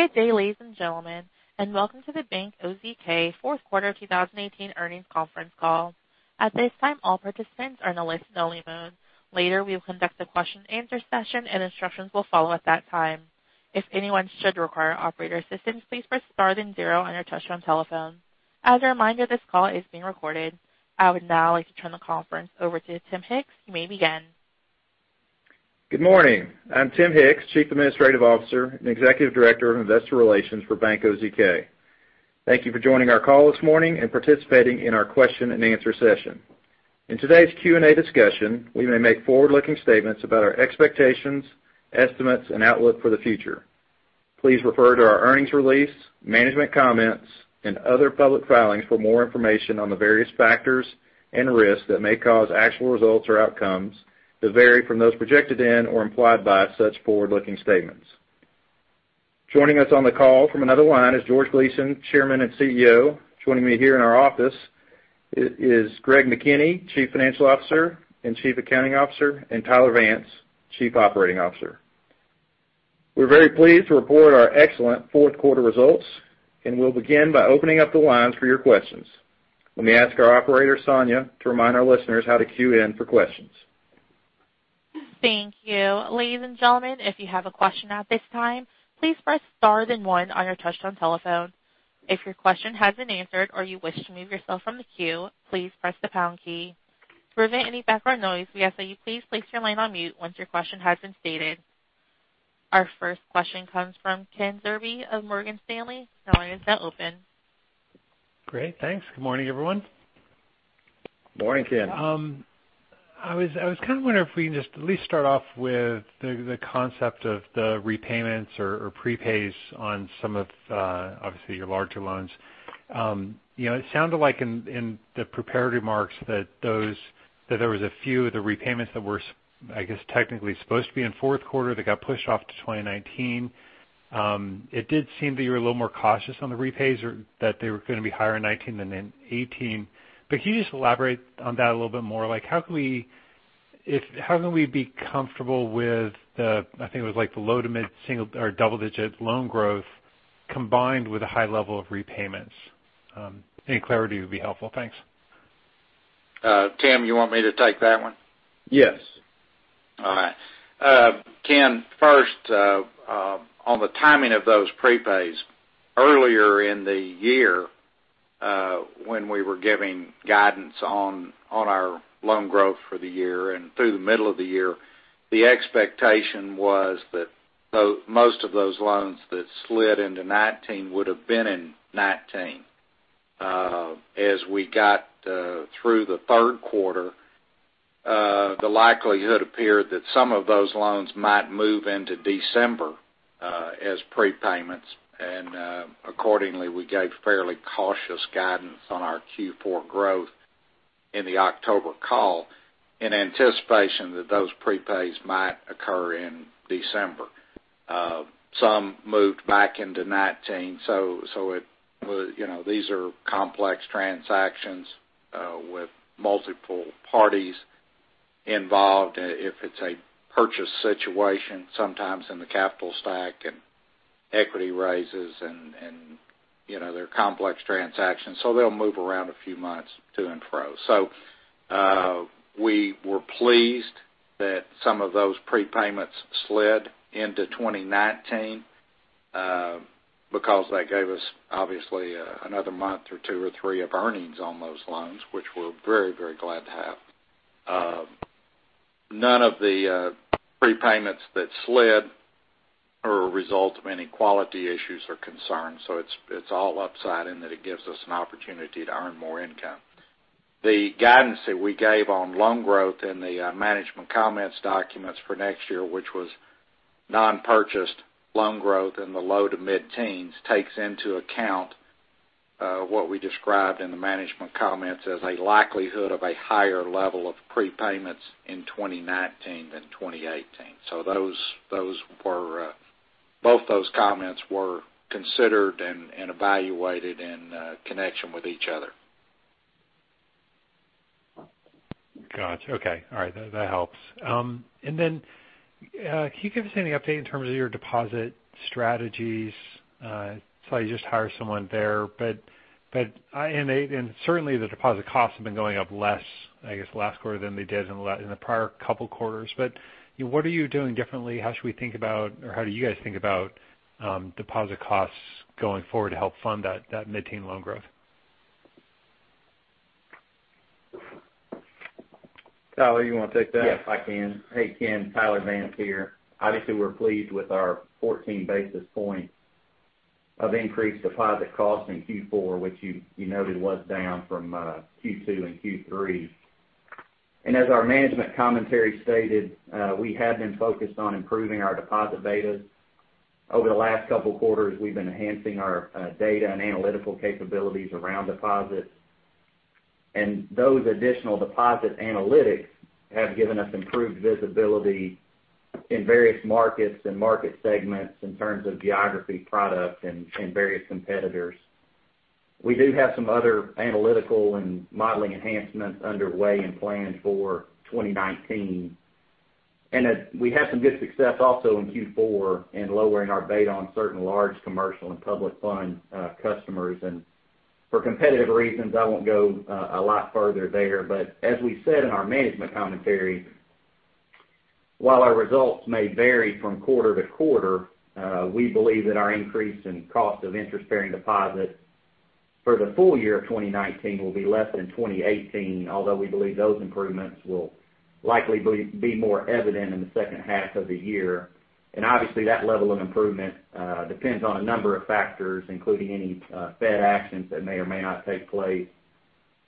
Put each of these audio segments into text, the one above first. Good day, ladies and gentlemen, and welcome to the Bank OZK fourth quarter 2018 earnings conference call. At this time, all participants are in a listen only mode. Later, we will conduct a question and answer session, and instructions will follow at that time. If anyone should require operator assistance, please press star then zero on your touch-tone telephone. As a reminder, this call is being recorded. I would now like to turn the conference over to Tim Hicks. You may begin. Good morning. I'm Tim Hicks, Chief Administrative Officer and Executive Director of Investor Relations for Bank OZK. Thank you for joining our call this morning and participating in our Q&A discussion. In today's Q&A discussion, we may make forward-looking statements about our expectations, estimates, and outlook for the future. Please refer to our earnings release, management comments, and other public filings for more information on the various factors and risks that may cause actual results or outcomes to vary from those projected in or implied by such forward-looking statements. Joining us on the call from another line is George Gleason, Chairman and CEO. Joining me here in our office is Greg McKinney, Chief Financial Officer and Chief Accounting Officer, and Tyler Vance, Chief Operating Officer. We're very pleased to report our excellent fourth quarter results, and we'll begin by opening up the lines for your questions. Let me ask our operator, Sonia, to remind our listeners how to queue in for questions. Thank you. Ladies and gentlemen, if you have a question at this time, please press star then one on your touch-tone telephone. If your question has been answered or you wish to remove yourself from the queue, please press the pound key. To prevent any background noise, we ask that you please place your line on mute once your question has been stated. Our first question comes from Ken Zerbe of Morgan Stanley. Your line is now open. Great. Thanks. Good morning, everyone. Morning, Ken. I was kind of wondering if we can just at least start off with the concept of the repayments or prepays on some of, obviously, your larger loans. It sounded like in the prepared remarks that there was a few of the repayments that were, I guess, technically supposed to be in fourth quarter that got pushed off to 2019. It did seem that you were a little more cautious on the repays or that they were going to be higher in 2019 than in 2018. Can you just elaborate on that a little bit more? How can we be comfortable with the, I think it was the low to mid-single or double-digit loan growth combined with a high level of repayments? Any clarity would be helpful. Thanks. Tim, you want me to take that one? Yes. All right. Ken, first, on the timing of those prepays, earlier in the year, when we were giving guidance on our loan growth for the year and through the middle of the year, the expectation was that most of those loans that slid into 2019 would have been in 2019. As we got through the third quarter, the likelihood appeared that some of those loans might move into December, as prepayments. Accordingly, we gave fairly cautious guidance on our Q4 growth in the October call in anticipation that those prepays might occur in December. Some moved back into 2019. These are complex transactions, with multiple parties involved. If it's a purchase situation, sometimes in the capital stack and equity raises and they're complex transactions, they'll move around a few months to and fro. We were pleased that some of those prepayments slid into 2019, because that gave us, obviously, another month or two or three of earnings on those loans, which we're very glad to have. None of the prepayments that slid are a result of any quality issues or concerns. It's all upside in that it gives us an opportunity to earn more income. The guidance that we gave on loan growth in the management comments documents for next year, which was non-purchased loan growth in the low to mid-teens, takes into account what we described in the management comments as a likelihood of a higher level of prepayments in 2019 than 2018. Both those comments were considered and evaluated in connection with each other. Got you. Okay. All right. That helps. Then, can you give us any update in terms of your deposit strategies? I saw you just hired someone there. Certainly, the deposit costs have been going up less, I guess, last quarter than they did in the prior couple quarters. What are you doing differently? How should we think about, or how do you guys think about, deposit costs going forward to help fund that mid-teen loan growth? Tyler, you want to take that? Yes, I can. Hey, Ken. Tyler Vance here. Obviously, we're pleased with our 14 basis points of increased deposit cost in Q4, which you noted was down from Q2 and Q3. As our management commentary stated, we have been focused on improving our deposit betas. Over the last couple quarters, we've been enhancing our data and analytical capabilities around deposits. Those additional deposit analytics have given us improved visibility in various markets and market segments in terms of geography, product, and various competitors. We do have some other analytical and modeling enhancements underway and planned for 2019. We had some good success also in Q4 in lowering our beta on certain large commercial and public fund customers. For competitive reasons, I won't go a lot further there. As we said in our management commentary, while our results may vary from quarter to quarter, we believe that our increase in cost of interest-bearing deposit for the full year of 2019 will be less than 2018, although we believe those improvements will likely be more evident in the second half of the year. Obviously, that level of improvement depends on a number of factors, including any Fed actions that may or may not take place,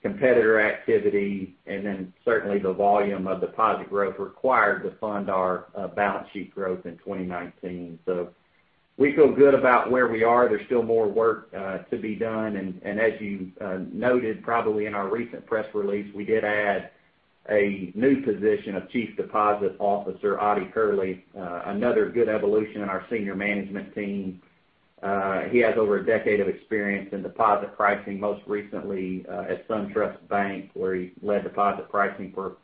competitor activity, and then certainly the volume of deposit growth required to fund our balance sheet growth in 2019. We feel good about where we are. There's still more work to be done. As you noted, probably in our recent press release, we did add a new position of Chief Deposit Officer, Ottie Kerley, another good evolution in our senior management team. He has over a decade of experience in deposit pricing, most recently at SunTrust Bank, where he led deposit pricing for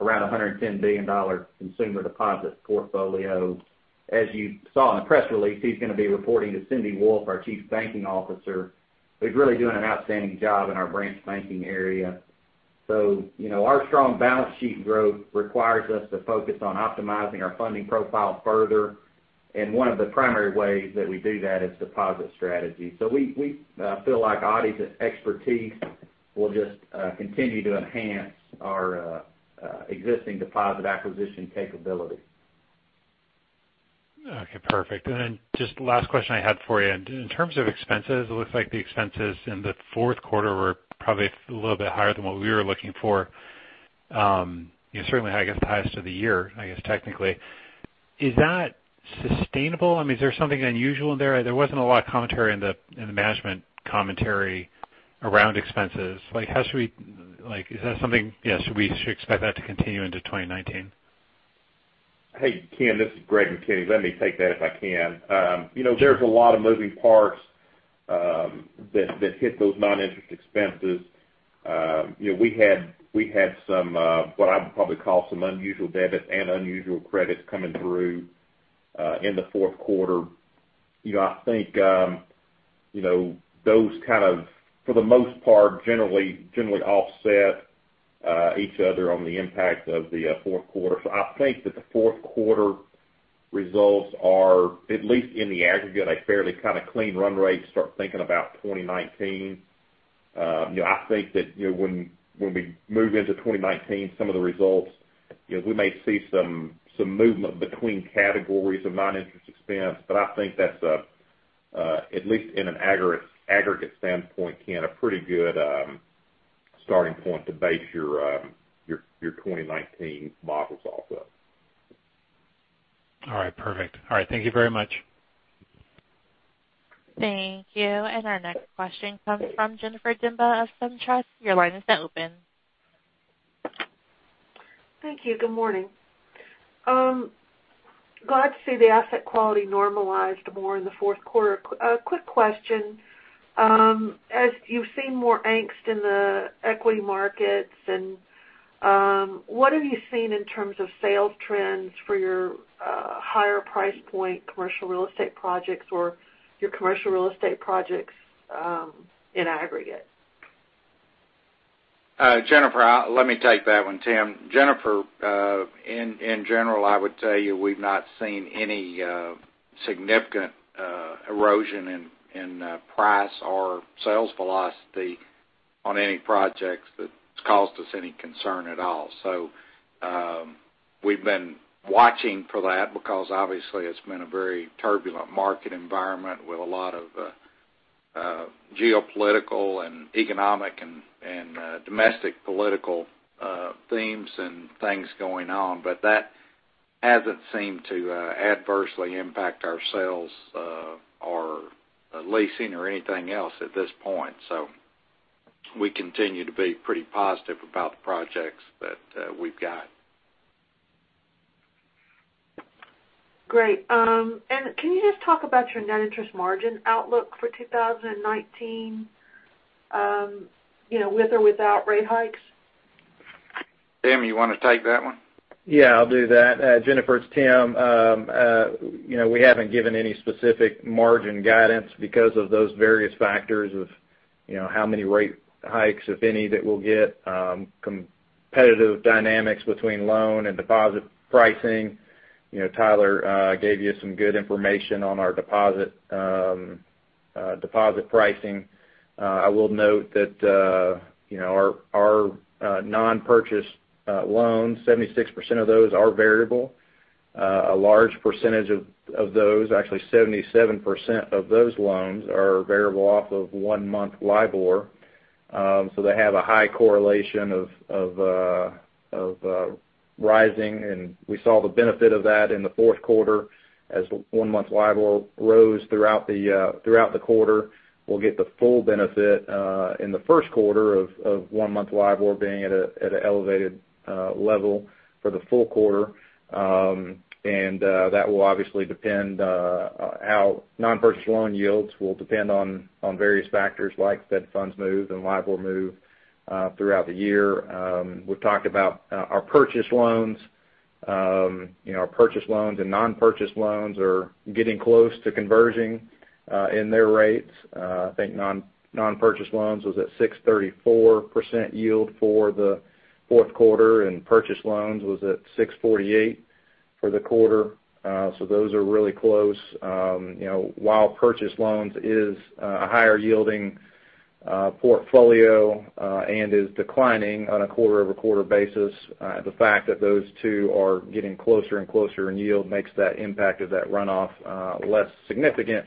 around $110 billion consumer deposit portfolio. As you saw in the press release, he's going to be reporting to Cindy Wolfe, our Chief Banking Officer, who's really doing an outstanding job in our branch banking area. Our strong balance sheet growth requires us to focus on optimizing our funding profile further. One of the primary ways that we do that is deposit strategy. We feel like Ottie's expertise will just continue to enhance our existing deposit acquisition capability. Okay, perfect. Just last question I had for you. In terms of expenses, it looks like the expenses in the fourth quarter were probably a little bit higher than what we were looking for. Certainly, I guess, highest of the year, I guess, technically. Is that sustainable? Is there something unusual in there? There wasn't a lot of commentary in the management commentary around expenses. Should we expect that to continue into 2019? Hey, Ken, this is Greg McKinney. Let me take that if I can. There's a lot of moving parts that hit those non-interest expenses. We had some, what I would probably call some unusual debits and unusual credits coming through in the fourth quarter. I think those kind of, for the most part, generally offset each other on the impact of the fourth quarter. I think that the fourth quarter results are, at least in the aggregate, a fairly clean run rate to start thinking about 2019. I think that when we move into 2019, some of the results, we may see some movement between categories of non-interest expense. I think that's, at least in an aggregate standpoint, Ken, a pretty good starting point to base your 2019 models off of. All right, perfect. All right, thank you very much. Thank you. Our next question comes from Jennifer Demba of SunTrust. Your line is now open. Thank you. Good morning. Glad to see the asset quality normalized more in the fourth quarter. A quick question. As you've seen more angst in the equity markets, what have you seen in terms of sales trends for your higher price point commercial real estate projects or your commercial real estate projects in aggregate? Jennifer, let me take that one, Tim. Jennifer, in general, I would tell you we've not seen any significant erosion in price or sales velocity on any projects that's caused us any concern at all. We've been watching for that because obviously it's been a very turbulent market environment with a lot of geopolitical and economic and domestic political themes and things going on. That hasn't seemed to adversely impact our sales or leasing or anything else at this point. We continue to be pretty positive about the projects that we've got. Great. Can you just talk about your net interest margin outlook for 2019 with or without rate hikes? Tim, you want to take that one? Yeah, I'll do that. Jennifer, it's Tim. We haven't given any specific margin guidance because of those various factors of how many rate hikes, if any, that we'll get, competitive dynamics between loan and deposit pricing. Tyler gave you some good information on our deposit pricing. I will note that our non-purchase loans, 76% of those are variable. A large percentage of those, actually 77% of those loans, are variable off of one-month LIBOR. They have a high correlation of. Rising. We saw the benefit of that in the fourth quarter as one-month LIBOR rose throughout the quarter. We'll get the full benefit in the first quarter of one-month LIBOR being at an elevated level for the full quarter. That will obviously depend on how non-purchase loan yields will depend on various factors like Fed funds move and LIBOR move throughout the year. We've talked about our purchase loans. Our purchase loans and non-purchase loans are getting close to converging in their rates. I think non-purchase loans was at 6.34% yield for the fourth quarter, and purchase loans was at 6.48% for the quarter. Those are really close. While purchase loans is a higher-yielding portfolio and is declining on a quarter-over-quarter basis, the fact that those two are getting closer and closer in yield makes that impact of that runoff less significant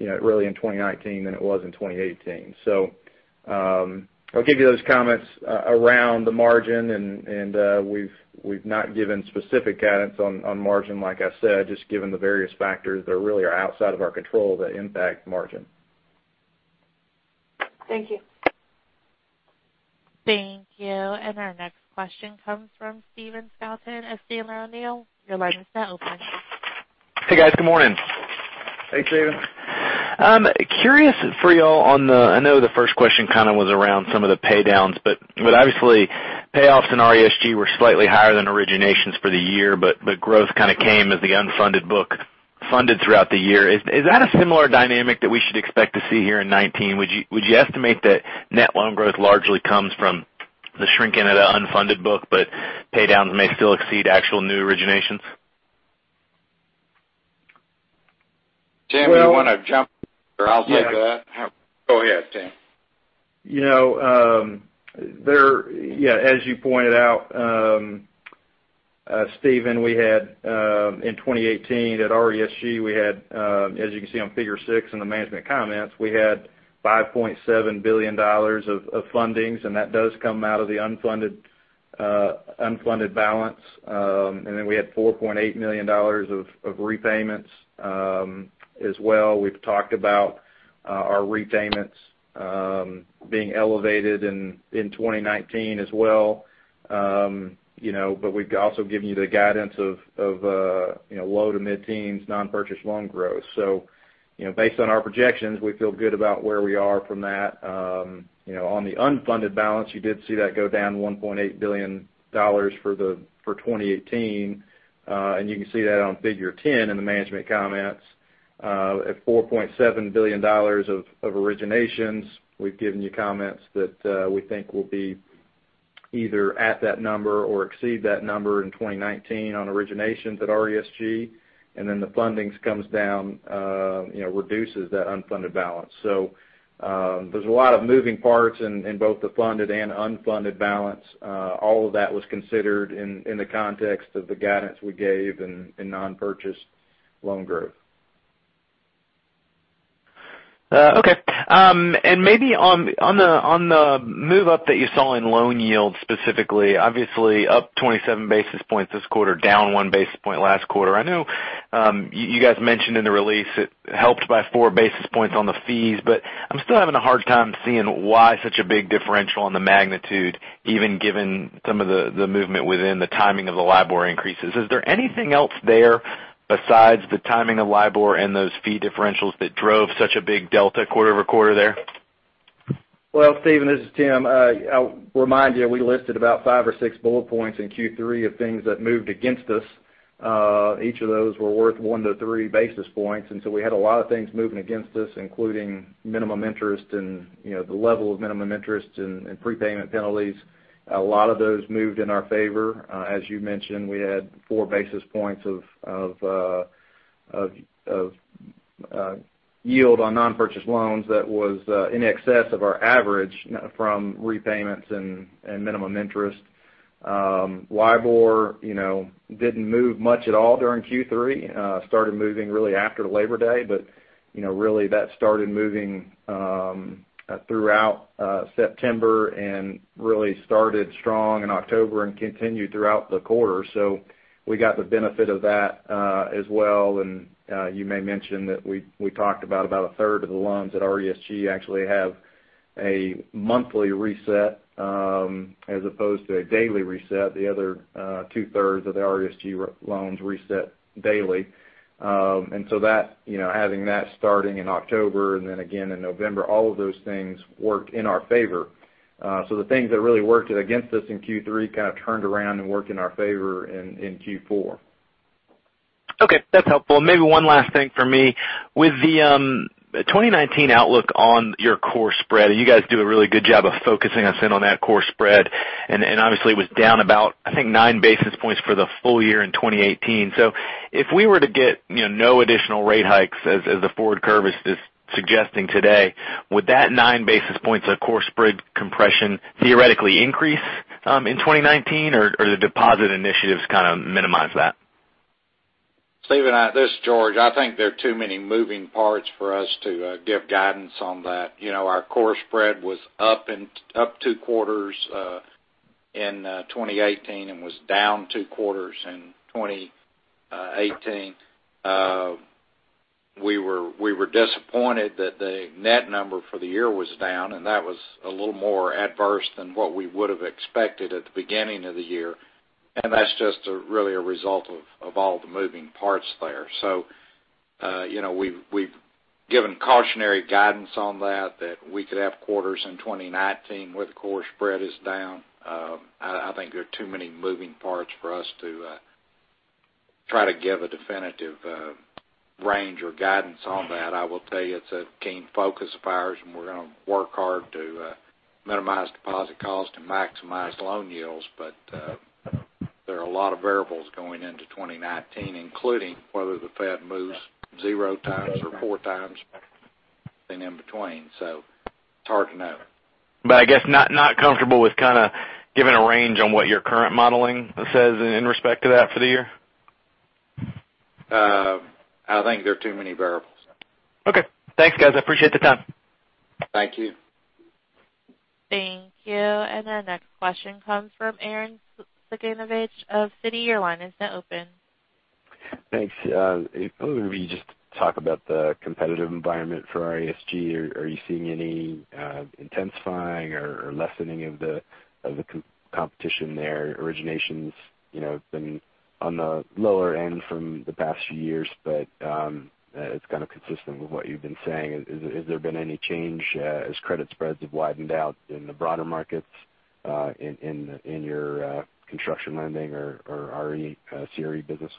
really in 2019 than it was in 2018. I'll give you those comments around the margin, and we've not given specific guidance on margin, like I said, just given the various factors that really are outside of our control that impact margin. Thank you. Thank you. Our next question comes from Stephen Scouten of Sandler O’Neill. Your line is now open. Hey, guys. Good morning. Hey, Stephen. I'm curious for you all on the-- I know the first question kind of was around some of the paydowns, payoffs in RESG were slightly higher than originations for the year, growth kind of came as the unfunded book funded throughout the year. Is that a similar dynamic that we should expect to see here in 2019? Would you estimate that net loan growth largely comes from the shrinking of the unfunded book, paydowns may still exceed actual new originations? Tim, you want to jump in, or I'll take that? Yeah. Go ahead, Tim. As you pointed out, Stephen, in 2018, at RESG, as you can see on Figure 6 in the management comments, we had $5.7 billion of fundings, and that does come out of the unfunded balance. Then we had $4.8 billion of repayments as well. We've talked about our repayments being elevated in 2019 as well, we've also given you the guidance of low to mid-teens non-purchase loan growth. Based on our projections, we feel good about where we are from that. On the unfunded balance, you did see that go down to $1.8 billion for 2018. You can see that on Figure 10 in the management comments. At $4.7 billion of originations, we've given you comments that we think we'll be either at that number or exceed that number in 2019 on originations at RESG. Then the fundings comes down, reduces that unfunded balance. There's a lot of moving parts in both the funded and unfunded balance. All of that was considered in the context of the guidance we gave in non-purchase loan growth. Okay. Maybe on the move up that you saw in loan yield specifically, obviously up 27 basis points this quarter, down one basis point last quarter. I know you guys mentioned in the release it helped by four basis points on the fees, but I'm still having a hard time seeing why such a big differential on the magnitude, even given some of the movement within the timing of the LIBOR increases. Is there anything else there besides the timing of LIBOR and those fee differentials that drove such a big delta quarter-over-quarter there? Well, Stephen, this is Tim. I'll remind you, we listed about five or six bullet points in Q3 of things that moved against us. Each of those were worth one to three basis points, so we had a lot of things moving against us, including minimum interest and the level of minimum interest and prepayment penalties. A lot of those moved in our favor. As you mentioned, we had four basis points of yield on non-purchase loans that was in excess of our average from repayments and minimum interest. LIBOR didn't move much at all during Q3. Started moving really after Labor Day, but really that started moving throughout September and really started strong in October and continued throughout the quarter. We got the benefit of that as well, and you may mention that we talked about a third of the loans at RESG actually have a monthly reset as opposed to a daily reset. The other two-thirds of the RESG loans reset daily. So having that starting in October and then again in November, all of those things worked in our favor. The things that really worked against us in Q3 kind of turned around and worked in our favor in Q4. Okay, that's helpful. Maybe one last thing for me. With the 2019 outlook on your core spread, you guys do a really good job of focusing us in on that core spread, obviously it was down about, I think, nine basis points for the full year in 2018. If we were to get no additional rate hikes as the forward curve is suggesting today, would that nine basis points of core spread compression theoretically increase in 2019, or the deposit initiatives kind of minimize that? Stephen, this is George. I think there are too many moving parts for us to give guidance on that. Our core spread was up two quarters in 2018 and was down two quarters in 2018. We were disappointed that the net number for the year was down, that was a little more adverse than what we would have expected at the beginning of the year. That's just really a result of all the moving parts there. We've given cautionary guidance on that we could have quarters in 2019 where the core spread is down. I think there are too many moving parts for us to try to give a definitive range or guidance on that. I will tell you, it's a keen focus of ours, we're going to work hard to minimize deposit cost and maximize loan yields. There are a lot of variables going into 2019, including whether the Fed moves zero times or four times, and in between, it's hard to know. I guess not comfortable with kind of giving a range on what your current modeling says in respect to that for the year? I think there are too many variables. Okay. Thanks, guys. I appreciate the time. Thank you. Thank you. Our next question comes from Arren Cyganovich of Citi. Your line is now open. Thanks. Maybe just talk about the competitive environment for RESG. Are you seeing any intensifying or lessening of the competition there? Originations, it's been on the lower end from the past few years, but it's kind of consistent with what you've been saying. Has there been any change as credit spreads have widened out in the broader markets, in your construction lending or CRE business?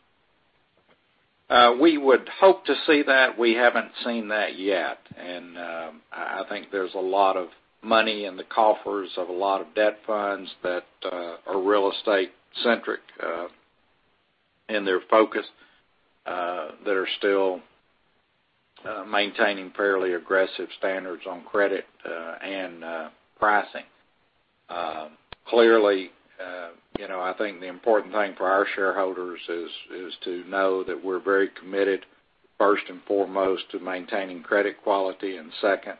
We would hope to see that. We haven't seen that yet. I think there's a lot of money in the coffers of a lot of debt funds that are real estate centric in their focus, that are still maintaining fairly aggressive standards on credit and pricing. Clearly, I think the important thing for our shareholders is to know that we're very committed, first and foremost, to maintaining credit quality, and second,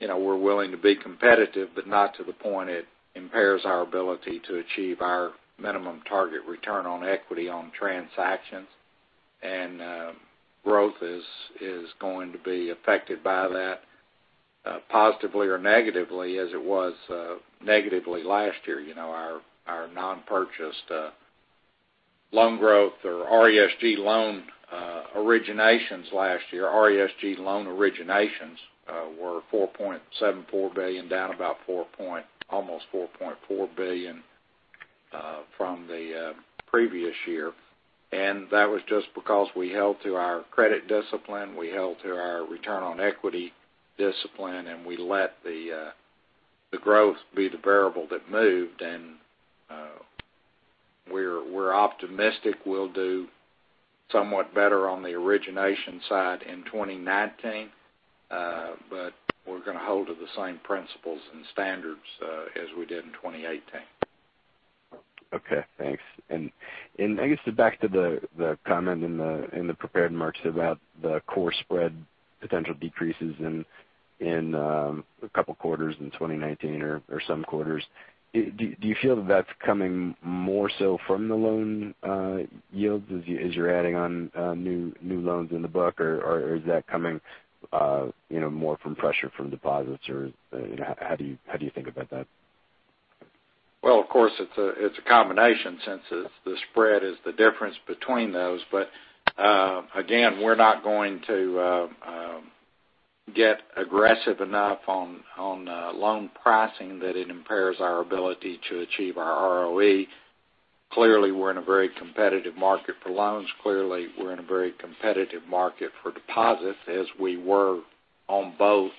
we're willing to be competitive, but not to the point it impairs our ability to achieve our minimum target return on equity on transactions. Growth is going to be affected by that, positively or negatively, as it was negatively last year. Our non-purchased loan growth or RESG loan originations last year. RESG loan originations were $4.74 billion, down about almost $4.4 billion from the previous year. That was just because we held to our credit discipline, we held to our return on equity discipline, and we let the growth be the variable that moved. We're optimistic we'll do somewhat better on the origination side in 2019. We're going to hold to the same principles and standards as we did in 2018. Okay, thanks. I guess back to the comment in the prepared remarks about the core spread potential decreases in a couple of quarters in 2019 or some quarters. Do you feel that that's coming more so from the loan yields as you're adding on new loans in the book? Is that coming more from pressure from deposits? How do you think about that? Well, of course, it's a combination since the core spread is the difference between those. Again, we're not going to get aggressive enough on loan pricing that it impairs our ability to achieve our ROE. Clearly, we're in a very competitive market for loans. Clearly, we're in a very competitive market for deposits, as we were on both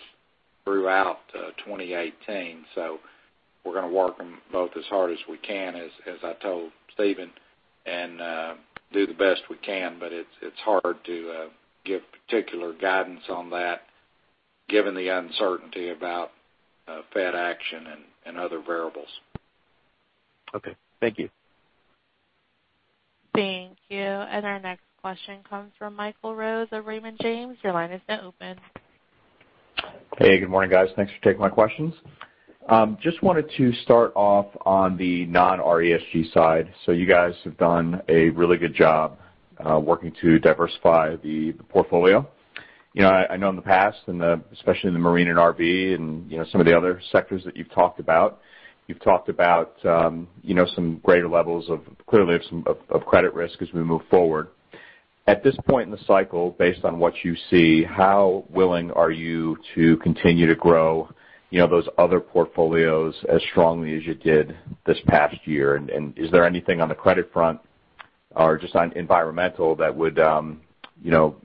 throughout 2018. We're going to work them both as hard as we can, as I told Stephen, and do the best we can. It's hard to give particular guidance on that given the uncertainty about Fed action and other variables. Okay. Thank you. Thank you. Our next question comes from Michael Rose of Raymond James. Your line is now open. Hey, good morning, guys. Thanks for taking my questions. Just wanted to start off on the non-RESG side. You guys have done a really good job working to diversify the portfolio. I know in the past, especially in the marine and RV and some of the other sectors that you've talked about, you've talked about some greater levels, clearly, of some credit risk as we move forward. At this point in the cycle, based on what you see, how willing are you to continue to grow those other portfolios as strongly as you did this past year? Is there anything on the credit front or just on environmental that would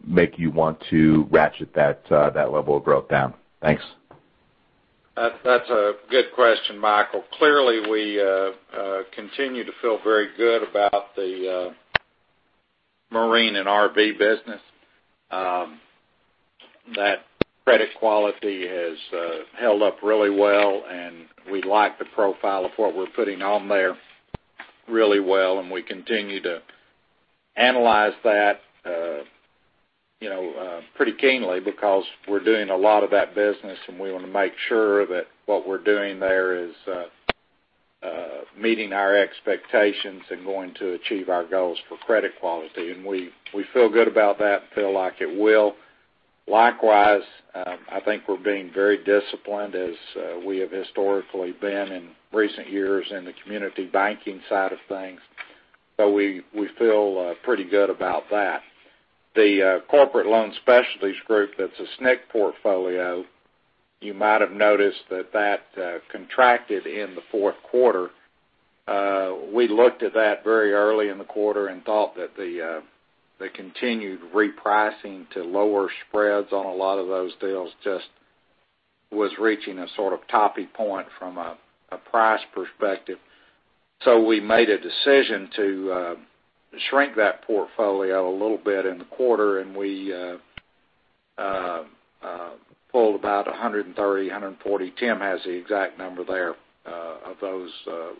make you want to ratchet that level of growth down? Thanks. That's a good question, Michael. Clearly, we continue to feel very good about the marine and RV business. That credit quality has held up really well, and we like the profile of what we're putting on there really well, and we continue to analyze that pretty keenly because we're doing a lot of that business, and we want to make sure that what we're doing there is meeting our expectations and going to achieve our goals for credit quality. We feel good about that and feel like it will. Likewise, I think we're being very disciplined as we have historically been in recent years in the community banking side of things. We feel pretty good about that. The Corporate Loan Specialties Group, that's a SNC portfolio. You might have noticed that that contracted in the fourth quarter. We looked at that very early in the quarter and thought that the continued repricing to lower spreads on a lot of those deals just was reaching a sort of topping point from a price perspective. We made a decision to shrink that portfolio a little bit in the quarter, and we pulled about $130 million, $140. Tim has the exact number there of those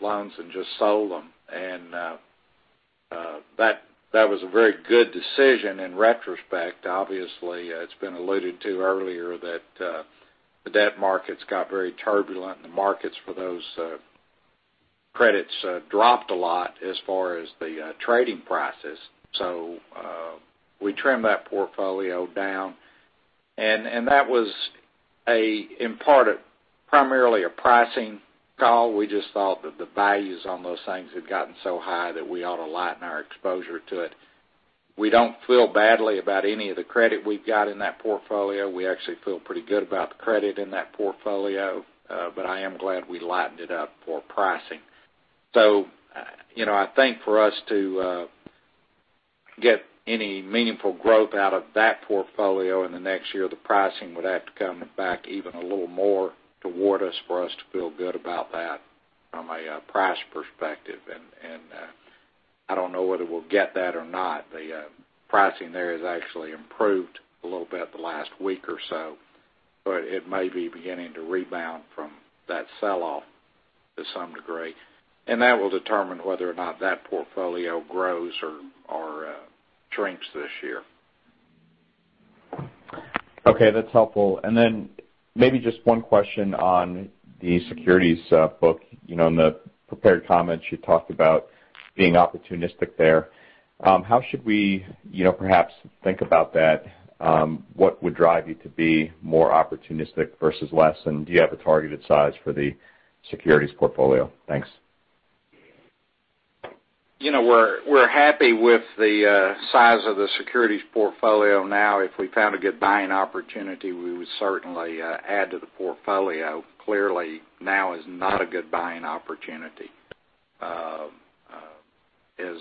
loans and just sold them. That was a very good decision in retrospect. Obviously, it's been alluded to earlier that the debt markets got very turbulent and the markets for those credits dropped a lot as far as the trading prices. We trimmed that portfolio down, and that was primarily a pricing call. We just thought that the values on those things had gotten so high that we ought to lighten our exposure to it. We don't feel badly about any of the credit we've got in that portfolio. We actually feel pretty good about the credit in that portfolio. I am glad we lightened it up for pricing. I think for us to get any meaningful growth out of that portfolio in the next year, the pricing would have to come back even a little more toward us for us to feel good about that from a price perspective. I don't know whether we'll get that or not. The pricing there has actually improved a little bit the last week or so, but it may be beginning to rebound from that sell-off to some degree. That will determine whether or not that portfolio grows or shrinks this year. Okay, that's helpful. Maybe just one question on the securities book. In the prepared comments, you talked about being opportunistic there. How should we perhaps think about that? What would drive you to be more opportunistic versus less? Do you have a targeted size for the securities portfolio? Thanks. We're happy with the size of the securities portfolio now. If we found a good buying opportunity, we would certainly add to the portfolio. Clearly, now is not a good buying opportunity. As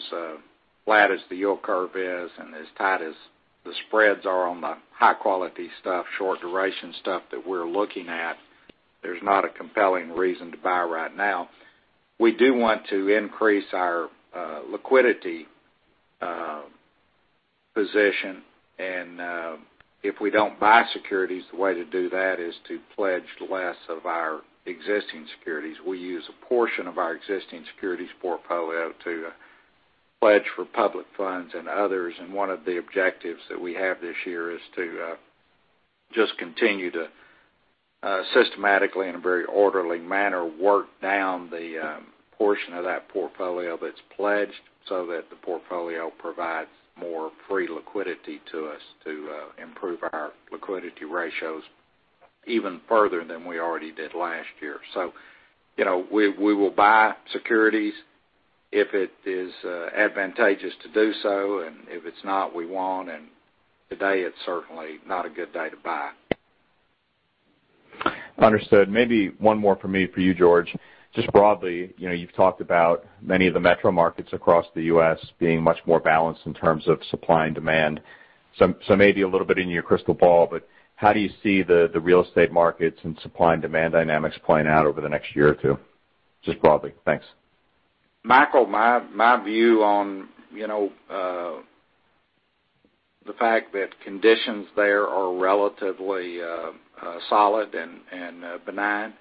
flat as the yield curve is and as tight as the spreads are on the high-quality stuff, short duration stuff that we're looking at, there's not a compelling reason to buy right now. We do want to increase our liquidity position. If we don't buy securities, the way to do that is to pledge less of our existing securities. We use a portion of our existing securities portfolio to pledge for public funds and others. One of the objectives that we have this year is to just continue to systematically, in a very orderly manner, work down the portion of that portfolio that's pledged so that the portfolio provides more free liquidity to us to improve our liquidity ratios even further than we already did last year. We will buy securities if it is advantageous to do so. If it's not, we won't. Today, it's certainly not a good day to buy. Understood. Maybe one more for me for you, George. Just broadly, you've talked about many of the metro markets across the U.S. being much more balanced in terms of supply and demand. Maybe a little bit in your crystal ball, but how do you see the real estate markets and supply and demand dynamics playing out over the next year or two? Just broadly. Thanks. Michael, my view on the fact that conditions there are relatively solid and benign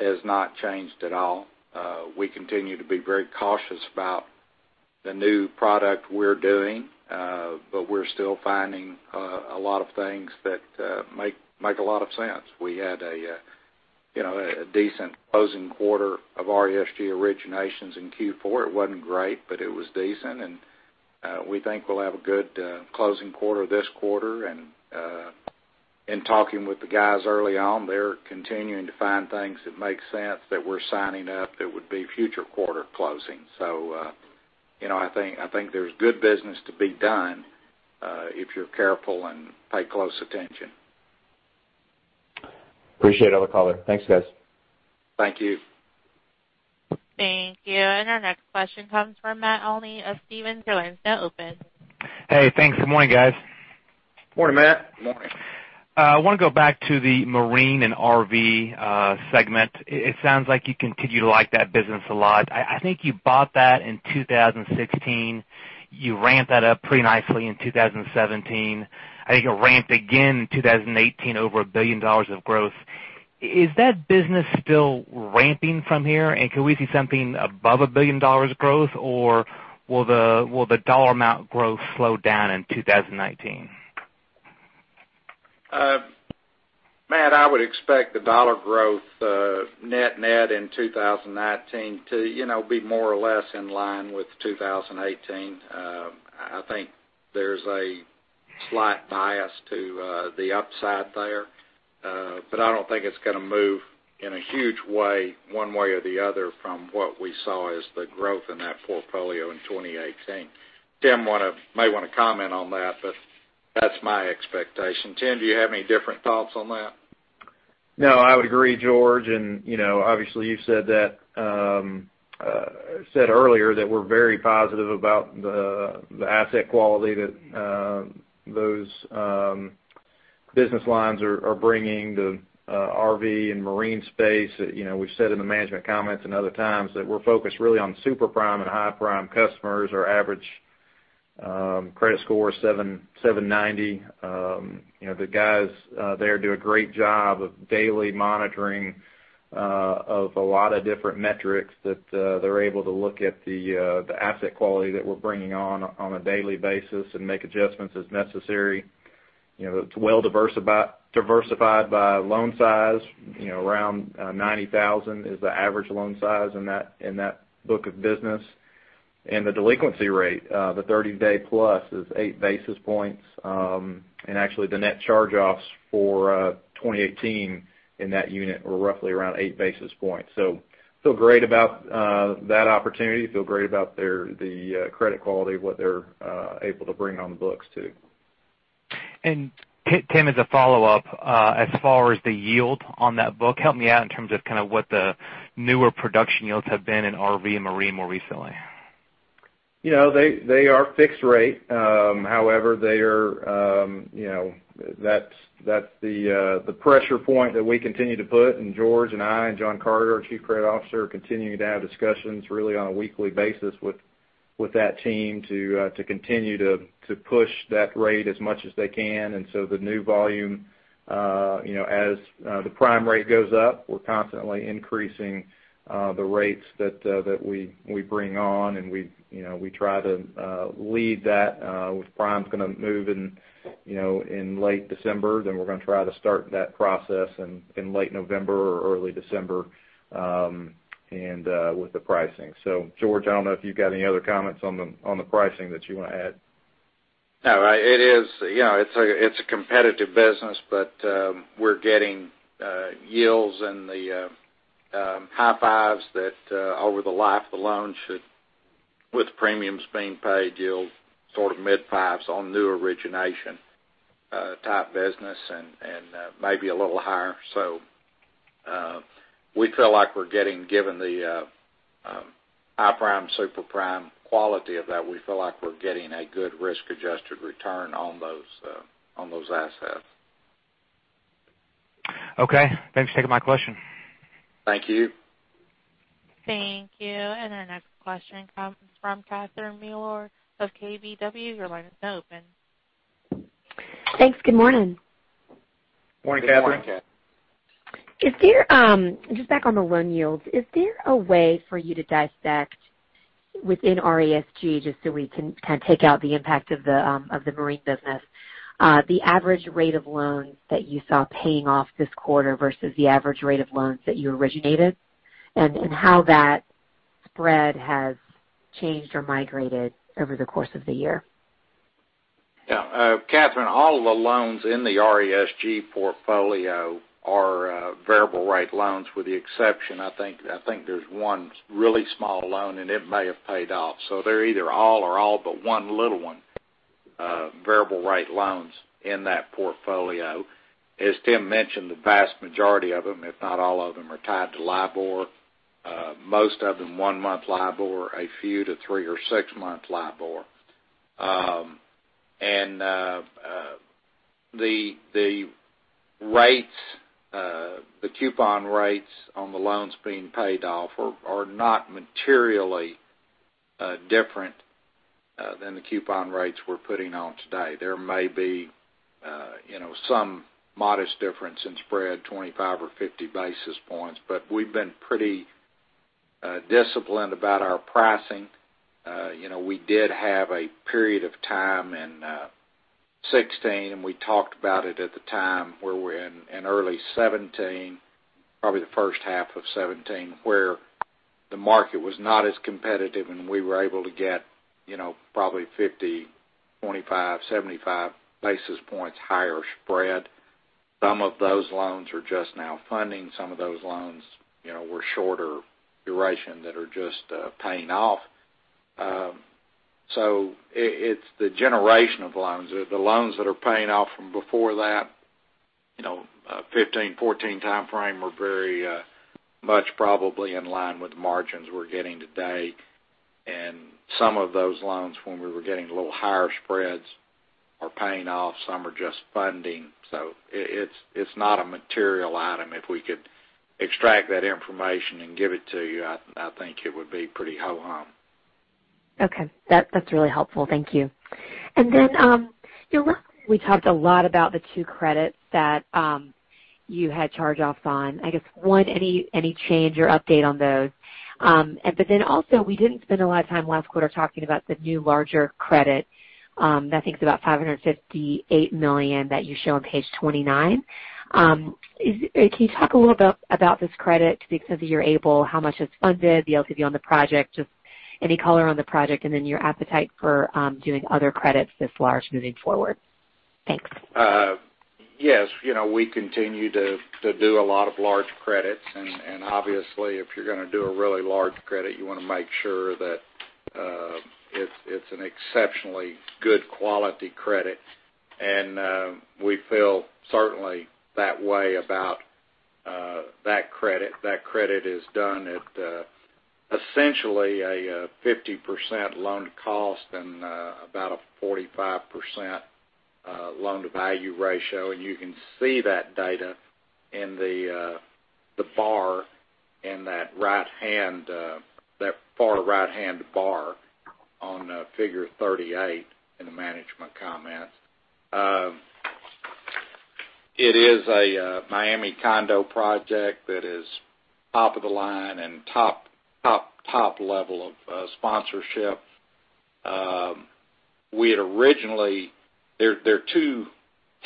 has not changed at all. We continue to be very cautious about the new product we're doing. We're still finding a lot of things that make a lot of sense. We had a decent closing quarter of RESG originations in Q4. It wasn't great, but it was decent. We think we'll have a good closing quarter this quarter. In talking with the guys early on, they're continuing to find things that make sense that we're signing up that would be future quarter closing. I think there's good business to be done, if you're careful and pay close attention. Appreciate it. I'll call it. Thanks, guys. Thank you. Thank you. Our next question comes from Matt Olney of Stephens. Your line is now open. Hey, thanks. Good morning, guys. Morning, Matt. Morning. I want to go back to the marine and RV segment. It sounds like you continue to like that business a lot. I think you bought that in 2016. You ramped that up pretty nicely in 2017. I think it ramped again in 2018, over $1 billion of growth. Is that business still ramping from here? Can we see something above $1 billion growth? Will the dollar amount growth slow down in 2019? Matt, I would expect the dollar growth net in 2019 to be more or less in line with 2018. I think there's a slight bias to the upside there. I don't think it's going to move in a huge way, one way or the other, from what we saw as the growth in that portfolio in 2018. Tim may want to comment on that, but that's my expectation. Tim, do you have any different thoughts on that? No, I would agree, George. Obviously you said earlier that we're very positive about the asset quality that those business lines are bringing, the RV and marine space. We've said in the management comments and other times that we're focused really on super prime and high prime customers. Our average credit score is 790. The guys there do a great job of daily monitoring of a lot of different metrics that they're able to look at the asset quality that we're bringing on a daily basis and make adjustments as necessary. It's well diversified by loan size. Around 90,000 is the average loan size in that book of business. The delinquency rate, the 30-day plus, is eight basis points. Actually, the net charge-offs for 2018 in that unit were roughly around eight basis points. Feel great about that opportunity. Feel great about the credit quality of what they're able to bring on the books, too. Tim, as a follow-up, as far as the yield on that book, help me out in terms of what the newer production yields have been in RV and Marine more recently. They are fixed rate. However, that's the pressure point that we continue to put, George and I and John Carter, our Chief Credit Officer, are continuing to have discussions really on a weekly basis with that team to continue to push that rate as much as they can. The new volume, as the prime rate goes up, we're constantly increasing the rates that we bring on, and we try to lead that. If prime's going to move in late December, then we're going to try to start that process in late November or early December with the pricing. George, I don't know if you've got any other comments on the pricing that you want to add. No. It's a competitive business, but we're getting yields in the high fives that, over the life of the loan should, with premiums being paid, yield sort of mid-fives on new origination type business, and maybe a little higher. Given the high prime, super prime quality of that, we feel like we're getting a good risk-adjusted return on those assets. Okay. Thanks for taking my question. Thank you. Thank you. Our next question comes from Catherine Mealor of KBW. Your line is now open. Thanks. Good morning. Morning, Catherine. Morning, Catherine. Just back on the loan yields, is there a way for you to dissect within RESG, just so we can take out the impact of the marine business, the average rate of loans that you saw paying off this quarter versus the average rate of loans that you originated, and how that spread has changed or migrated over the course of the year? Yeah. Catherine, all of the loans in the RESG portfolio are variable rate loans, with the exception, I think there's one really small loan, and it may have paid off. So they're either all or all but one little one variable rate loans in that portfolio. As Tim mentioned, the vast majority of them, if not all of them, are tied to LIBOR. Most of them one-month LIBOR, a few to three or six-month LIBOR. The coupon rates on the loans being paid off are not materially different than the coupon rates we're putting on today. There may be some modest difference in spread, 25 or 50 basis points, but we've been pretty disciplined about our pricing. We did have a period of time in 2016, and we talked about it at the time, where we're in early 2017, probably the first half of 2017, where the market was not as competitive, and we were able to get probably 50, 25, 75 basis points higher spread. Some of those loans are just now funding. Some of those loans were shorter duration that are just paying off. It's the generation of loans. The loans that are paying off from before that 2015, 2014 timeframe were very much probably in line with the margins we're getting today. Some of those loans, when we were getting a little higher spreads, are paying off. Some are just funding. It's not a material item. If we could extract that information and give it to you, I think it would be pretty ho-hum. Okay. That's really helpful. Thank you. Last time, we talked a lot about the two credits that you had charge-offs on. I guess, one, any change or update on those? We didn't spend a lot of time last quarter talking about the new larger credit, that I think is about $558 million, that you show on page 29. Can you talk a little bit about this credit to the extent that you're able, how much it's funded, the LTV on the project, just any color on the project, and then your appetite for doing other credits this large moving forward? Thanks. Yes. We continue to do a lot of large credits, obviously, if you're going to do a really large credit, you want to make sure that it's an exceptionally good quality credit. We feel certainly that way about that credit. That credit is done at essentially a 50% loan cost and about a 45% loan-to-value ratio, and you can see that data in the bar in that far right-hand bar on figure 38 in the management comments. It is a Miami condo project that is top of the line and top, top level of sponsorship. There are two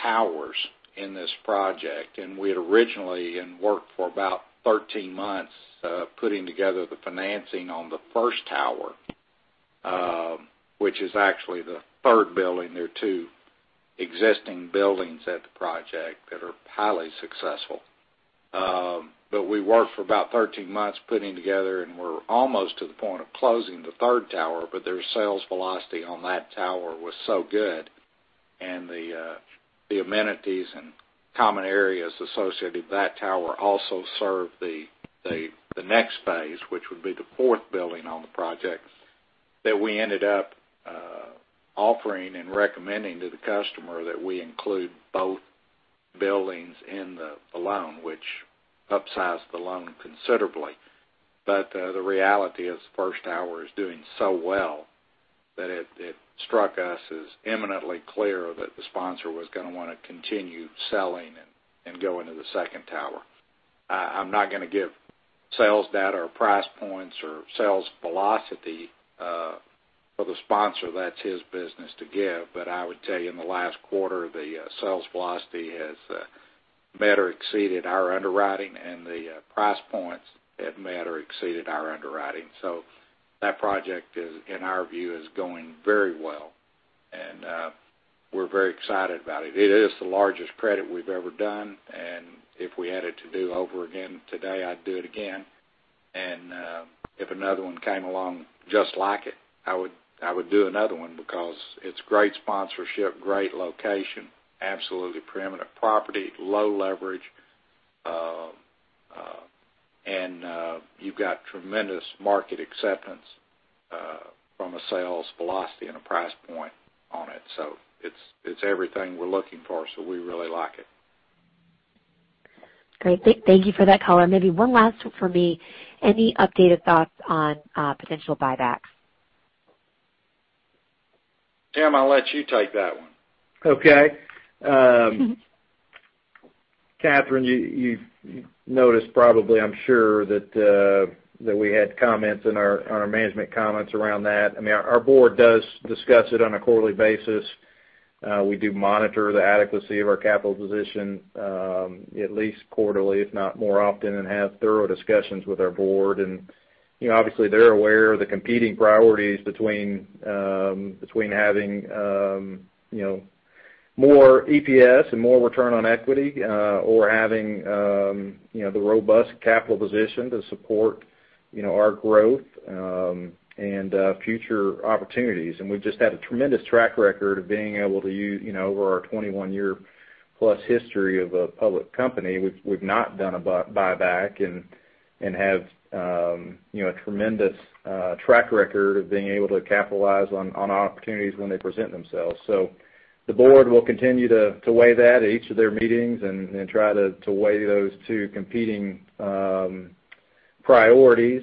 towers in this project, and we had originally, and worked for about 13 months, putting together the financing on the first tower, which is actually the third building. There are two existing buildings at the project that are highly successful. We worked for about 13 months putting together, and we're almost to the point of closing the third tower, but their sales velocity on that tower was so good, and the amenities and common areas associated with that tower also serve the next phase, which would be the fourth building on the project, that we ended up offering and recommending to the customer that we include both buildings in the loan, which upsized the loan considerably. The reality is the first tower is doing so well that it struck us as imminently clear that the sponsor was going to want to continue selling and go into the second tower. I'm not going to give sales data or price points or sales velocity for the sponsor. That's his business to give. I would tell you, in the last quarter, the sales velocity has met or exceeded our underwriting, and the price points have met or exceeded our underwriting. That project, in our view, is going very well, and we're very excited about it. It is the largest credit we've ever done, and if we had it to do over again today, I'd do it again. If another one came along just like it, I would do another one because it's great sponsorship, great location, absolutely preeminent property, low leverage, and you've got tremendous market acceptance from a sales velocity and a price point on it. It's everything we're looking for. We really like it. Great. Thank you for that color. Maybe one last one from me. Any updated thoughts on potential buybacks? Tim, I'll let you take that one. Okay. Catherine, you've noticed probably, I'm sure, that we had comments in our management comments around that. Our board does discuss it on a quarterly basis. We do monitor the adequacy of our capital position at least quarterly, if not more often, and have thorough discussions with our board. Obviously, they're aware of the competing priorities between having more EPS and more return on equity or having the robust capital position to support our growth and future opportunities. We've just had a tremendous track record of being able to use, over our 21-year-plus history of a public company, we've not done a buyback and have a tremendous track record of being able to capitalize on opportunities when they present themselves. The board will continue to weigh that at each of their meetings and try to weigh those two competing priorities.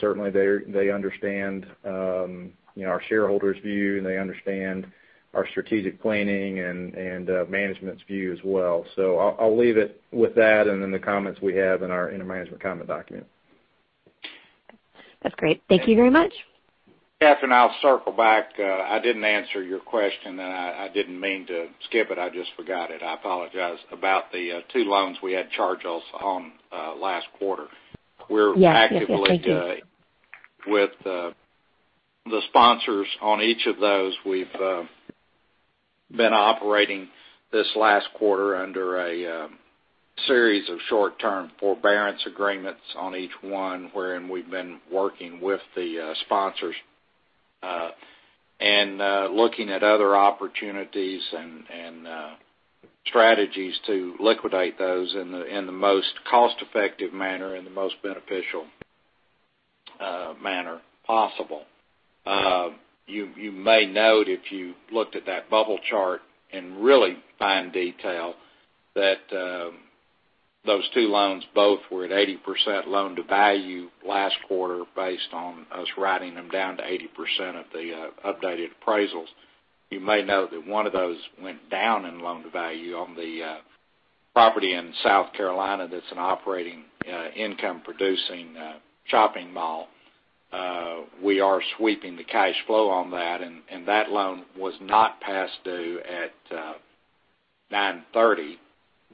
Certainly, they understand our shareholders' view, and they understand our strategic planning and management's view as well. I'll leave it with that and in the comments we have in our management comment document. That's great. Thank you very much. Catherine, I'll circle back. I didn't answer your question, and I didn't mean to skip it. I just forgot it. I apologize. About the two loans we had charge-offs on last quarter. Yes. Thank you. We're actively with the sponsors on each of those. We've been operating this last quarter under a series of short-term forbearance agreements on each one, wherein we've been working with the sponsors and looking at other opportunities and strategies to liquidate those in the most cost-effective manner, in the most beneficial manner possible. You may note, if you looked at that bubble chart in really fine detail, that those two loans both were at 80% loan-to-value last quarter, based on us writing them down to 80% of the updated appraisals. You may know that one of those went down in loan-to-value on the property in South Carolina that's an operating, income-producing shopping mall. We are sweeping the cash flow on that, and that loan was not past due at 9/30,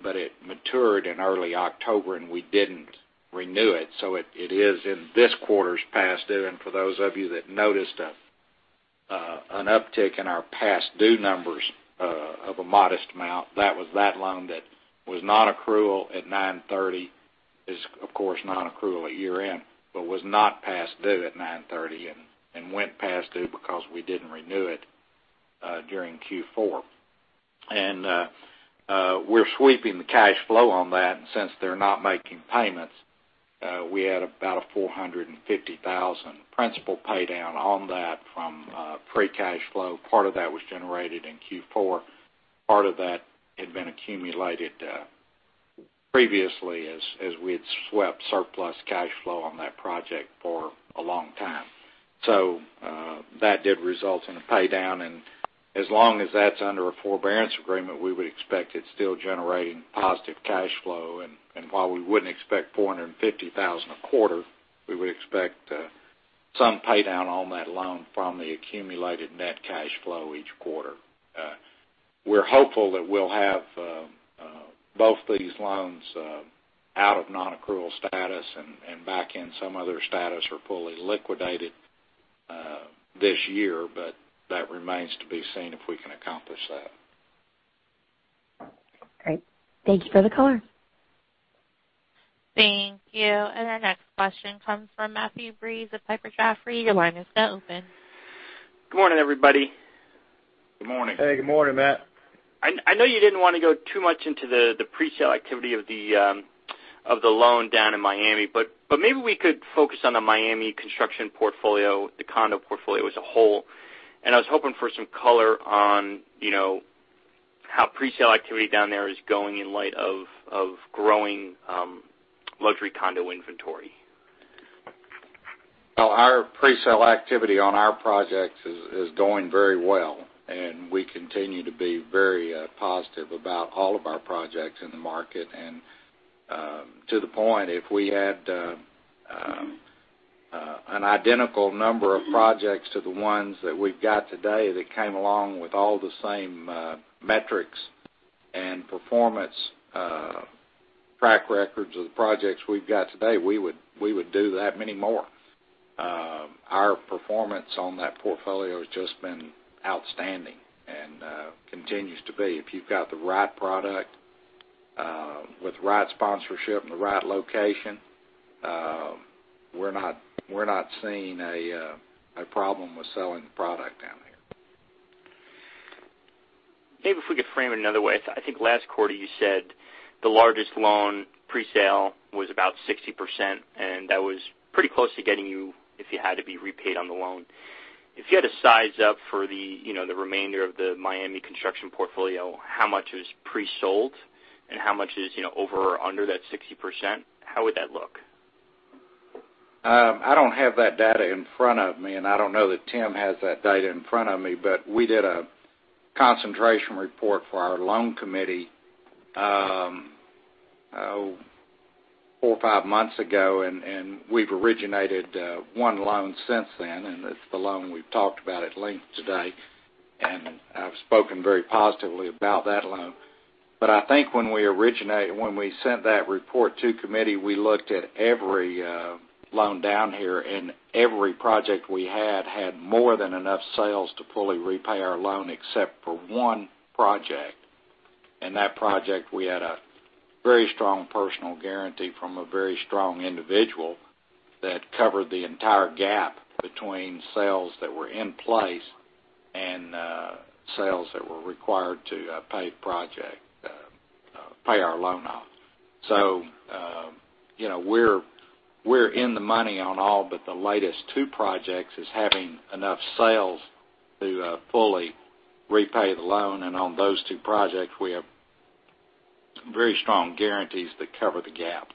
but it matured in early October, and we didn't renew it. It is in this quarter's past due. For those of you that noticed an uptick in our past due numbers of a modest amount, that was that loan that was not accrual at 9/30. It's of course non-accrual at year-end, but was not past due at 9/30 and went past due because we didn't renew it during Q4. We're sweeping the cash flow on that, and since they're not making payments, we had about a $450,000 principal pay down on that from pre-cash flow. Part of that was generated in Q4. Part of that had been accumulated previously as we had swept surplus cash flow on that project for a long time. That did result in a pay down, and as long as that's under a forbearance agreement, we would expect it's still generating positive cash flow. While we wouldn't expect $450,000 a quarter, we would expect some pay down on that loan from the accumulated net cash flow each quarter. We're hopeful that we'll have both these loans out of non-accrual status and back in some other status or fully liquidated this year, but that remains to be seen if we can accomplish that. Great. Thank you for the color. Thank you. Our next question comes from Matthew Breese of Piper Jaffray. Your line is now open. Good morning, everybody. Good morning. Hey, good morning, Matt. I know you didn't want to go too much into the pre-sale activity of the loan down in Miami, maybe we could focus on the Miami construction portfolio, the condo portfolio as a whole. I was hoping for some color on how pre-sale activity down there is going in light of growing luxury condo inventory. Well, our pre-sale activity on our projects is going very well, we continue to be very positive about all of our projects in the market. To the point, if we had an identical number of projects to the ones that we've got today that came along with all the same metrics and performance track records of the projects we've got today, we would do that many more. Our performance on that portfolio has just been outstanding and continues to be. If you've got the right product with the right sponsorship and the right location, we're not seeing a problem with selling the product down there. Maybe if we could frame it another way. I think last quarter you said the largest loan pre-sale was about 60%, that was pretty close to getting you, if you had to be repaid on the loan. If you had to size up for the remainder of the Miami construction portfolio, how much is pre-sold and how much is over or under that 60%? How would that look? I don't have that data in front of me, I don't know that Tim has that data in front of me. We did a concentration report for our loan committee four or five months ago, we've originated one loan since then, it's the loan we've talked about at length today, I've spoken very positively about that loan. I think when we sent that report to committee, we looked at every loan down here, every project we had more than enough sales to fully repay our loan, except for one project. That project, we had a very strong personal guarantee from a very strong individual that covered the entire gap between sales that were in place and sales that were required to pay our loan off. We're in the money on all, but the latest two projects is having enough sales to fully repay the loan. On those two projects, we have very strong guarantees that cover the gap.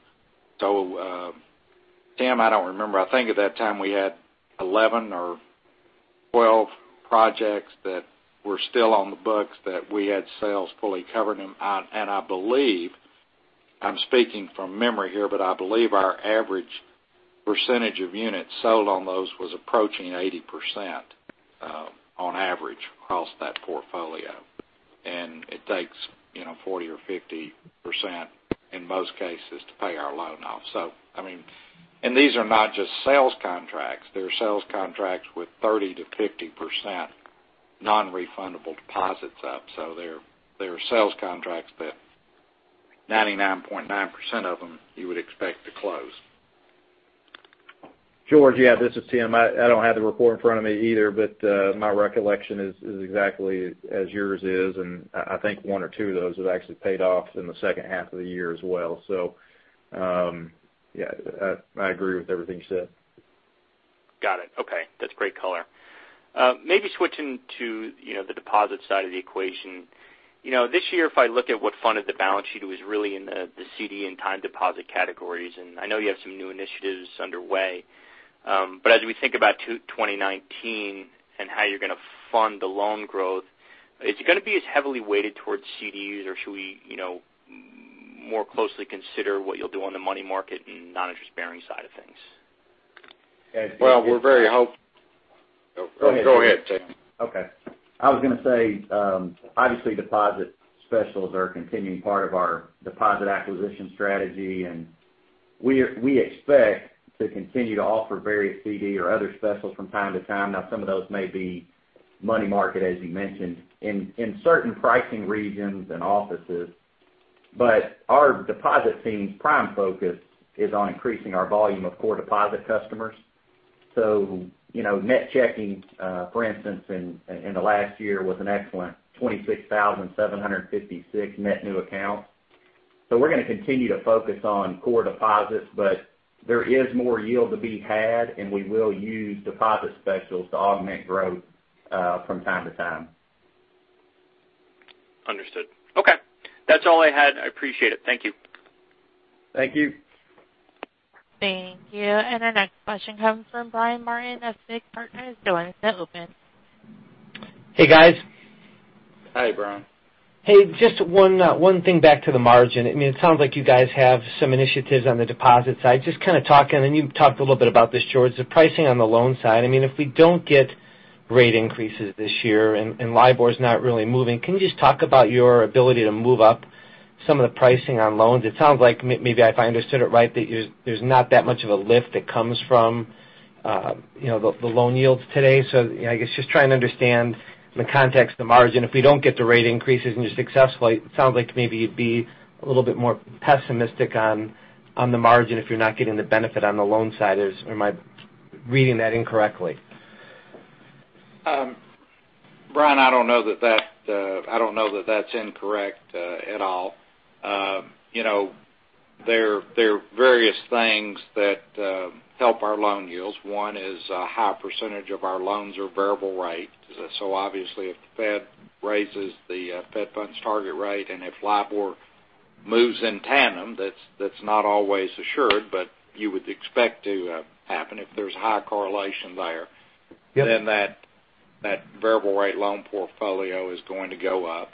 Tim, I don't remember. I think at that time we had 11 or 12 projects that were still on the books that we had sales fully covering them. I believe, I'm speaking from memory here, but I believe our average percentage of units sold on those was approaching 80% on average across that portfolio. It takes 40% or 50% in most cases to pay our loan off. These are not just sales contracts. They're sales contracts with 30%-50% non-refundable deposits up. They're sales contracts that 99.9% of them you would expect to close. George, yeah, this is Tim. I don't have the report in front of me either, my recollection is exactly as yours is, and I think one or two of those have actually paid off in the second half of the year as well. Yeah, I agree with everything you said. Got it. Okay. That's great color. Maybe switching to the deposit side of the equation. This year, if I look at what funded the balance sheet, it was really in the CD and time deposit categories, I know you have some new initiatives underway. As we think about 2019 and how you're going to fund the loan growth, is it going to be as heavily weighted towards CDs, or should we more closely consider what you'll do on the money market and non-interest bearing side of things? Well, we're very. Go ahead, Tim. Okay. I was going to say, obviously, deposit specials are a continuing part of our deposit acquisition strategy. We expect to continue to offer various CD or other specials from time to time. Some of those may be money market, as you mentioned, in certain pricing regions and offices. Our deposit team's prime focus is on increasing our volume of core deposit customers. Net checking, for instance, in the last year was an excellent 26,756 net new accounts. We're going to continue to focus on core deposits, there is more yield to be had, and we will use deposit specials to augment growth from time to time. Understood. Okay. That's all I had. I appreciate it. Thank you. Thank you. Thank you. Our next question comes from Brian Martin of FIG Partners. Your line is now open. Hey, guys. Hi, Brian. Hey, just one thing back to the margin. It sounds like you guys have some initiatives on the deposit side. Just kind of talking, and you've talked a little bit about this, George, the pricing on the loan side. If we don't get rate increases this year and LIBOR's not really moving, can you just talk about your ability to move up some of the pricing on loans? It sounds like maybe if I understood it right, that there's not that much of a lift that comes from the loan yields today. I guess just trying to understand the context of the margin. If we don't get the rate increases and you're successfully, it sounds like maybe you'd be a little bit more pessimistic on the margin if you're not getting the benefit on the loan side. Am I reading that incorrectly? Brian, I don't know that that's incorrect at all. There are various things that help our loan yields. One is a high percentage of our loans are variable rate. Obviously if the Fed raises the Fed funds target rate, and if LIBOR moves in tandem, that's not always assured, but you would expect to happen if there's a high correlation there. Yep. That variable rate loan portfolio is going to go up.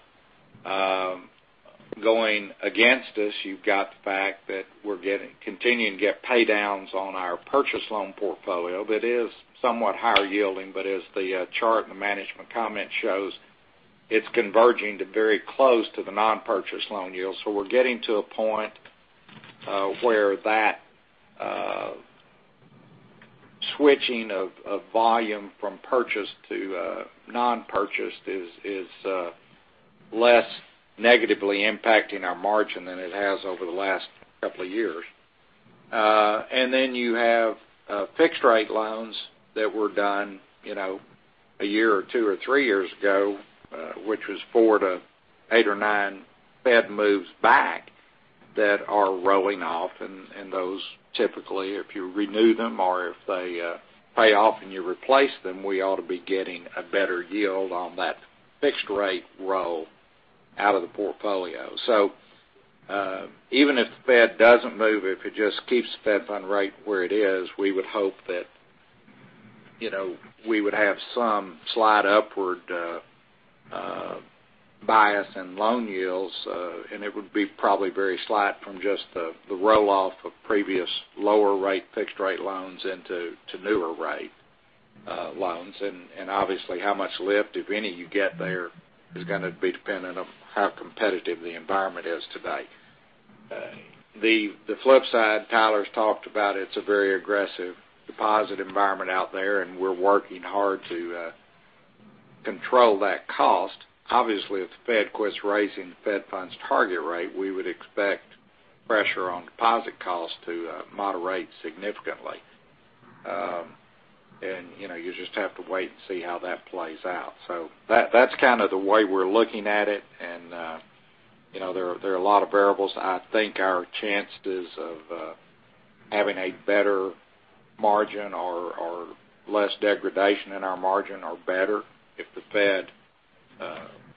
Going against us, you've got the fact that we're continuing to get pay downs on our purchase loan portfolio that is somewhat higher yielding, but as the chart and the management comment shows, it's converging to very close to the non-purchase loan yield. We're getting to a point where that switching of volume from purchase to non-purchase is less negatively impacting our margin than it has over the last couple of years. You have fixed rate loans that were done a year or two or three years ago, which was four to eight or nine Fed moves back that are rolling off, and those typically, if you renew them or if they pay off and you replace them, we ought to be getting a better yield on that fixed rate roll out of the portfolio. Even if the Fed doesn't move, if it just keeps the fed fund rate where it is, we would hope that we would have some slight upward bias in loan yields, and it would be probably very slight from just the roll-off of previous lower rate fixed rate loans into newer rate loans. Obviously, how much lift, if any, you get there is going to be dependent on how competitive the environment is today. The flip side Tyler's talked about, it's a very aggressive deposit environment out there, and we're working hard to control that cost. Obviously, if the Fed quits raising the fed funds target rate, we would expect pressure on deposit costs to moderate significantly. You just have to wait and see how that plays out. That's kind of the way we're looking at it, and there are a lot of variables. I think our chances of having a better margin or less degradation in our margin are better if the Fed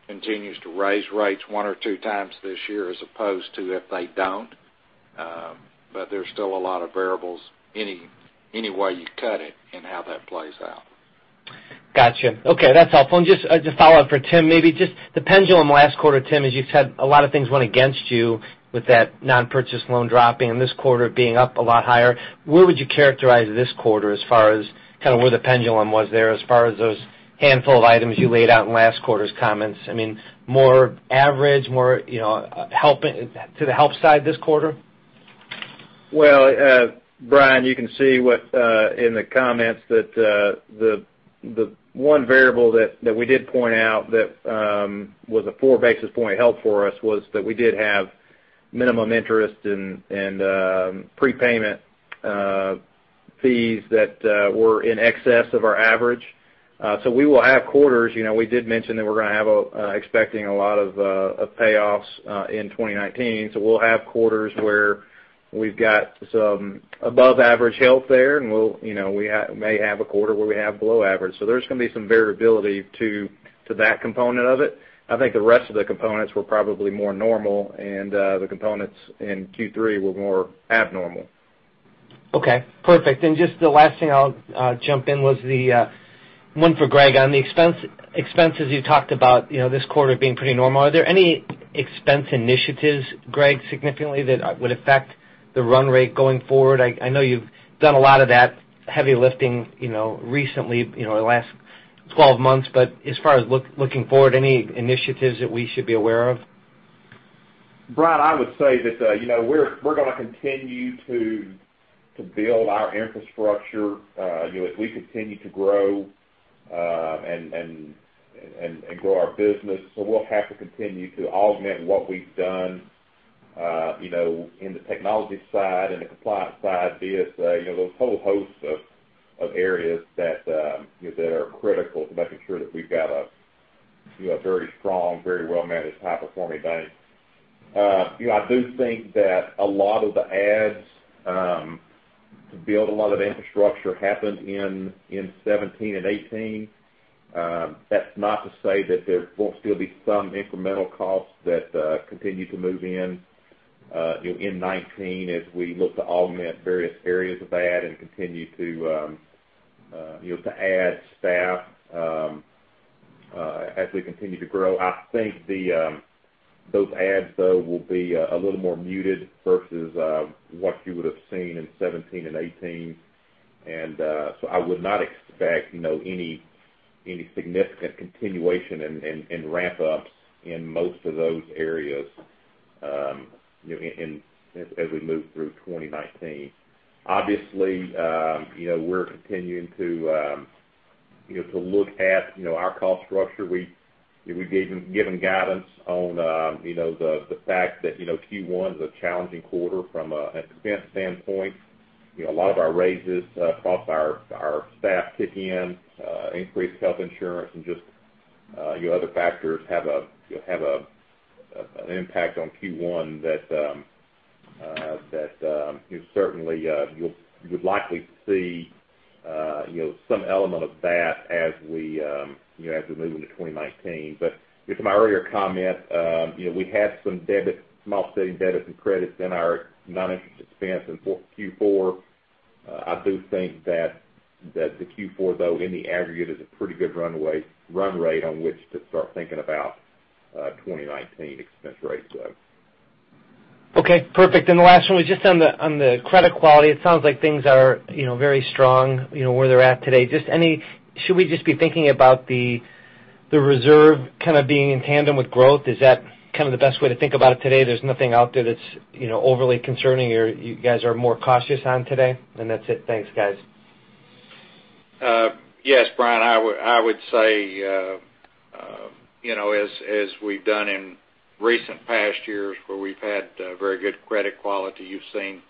continues to raise rates one or two times this year as opposed to if they don't. There's still a lot of variables, any way you cut it, in how that plays out. Got you. Okay, that's helpful. Just a follow-up for Tim, maybe just the pendulum last quarter, Tim, as you said, a lot of things went against you with that non-purchase loan dropping and this quarter being up a lot higher. Where would you characterize this quarter as far as where the pendulum was there as far as those handful of items you laid out in last quarter's comments? More average, more to the help side this quarter? Well, Brian, you can see in the comments that the one variable that we did point out that was a four basis point help for us was that we did have minimum interest and prepayment fees that were in excess of our average. We will have quarters. We did mention that we're expecting a lot of payoffs in 2019. We'll have quarters where we've got some above average health there, and we may have a quarter where we have below average. There's going to be some variability to that component of it. I think the rest of the components were probably more normal, and the components in Q3 were more abnormal. Okay, perfect. Just the last thing I'll jump in was the one for Greg on the expenses you talked about this quarter being pretty normal. Are there any expense initiatives, Greg, significantly that would affect the run rate going forward? I know you've done a lot of that heavy lifting recently in the last 12 months. As far as looking forward, any initiatives that we should be aware of? Brian, I would say that we're going to continue to build our infrastructure as we continue to grow and grow our business. We'll have to continue to augment what we've done in the technology side and the compliance side, BSA, those whole hosts of areas that are critical to making sure that we've got a very strong, very well-managed, high-performing bank. I do think that a lot of the adds to build a lot of infrastructure happened in 2017 and 2018. That's not to say that there won't still be some incremental costs that continue to move in 2019 as we look to augment various areas of that and continue to add staff as we continue to grow. I think those adds, though, will be a little more muted versus what you would've seen in 2017 and 2018. I would not expect any significant continuation in ramp-ups in most of those areas as we move through 2019. Obviously, we're continuing to look at our cost structure. We've given guidance on the fact that Q1 is a challenging quarter from an expense standpoint. A lot of our raises across our staff kick in, increased health insurance, and just your other factors have an impact on Q1 that certainly you'd likely see some element of that as we move into 2019. To my earlier comment, we had some offsetting debits and credits in our non-interest expense in Q4. I do think that the Q4, though, in the aggregate, is a pretty good run rate on which to start thinking about 2019 expense rates, though. Okay, perfect. The last one was just on the credit quality. It sounds like things are very strong where they're at today. Should we just be thinking about the reserve kind of being in tandem with growth? Is that kind of the best way to think about it today? There's nothing out there that's overly concerning, or you guys are more cautious on today? That's it. Thanks, guys. Yes, Brian, I would say as we've done in recent past years where we've had very good credit quality, you've seen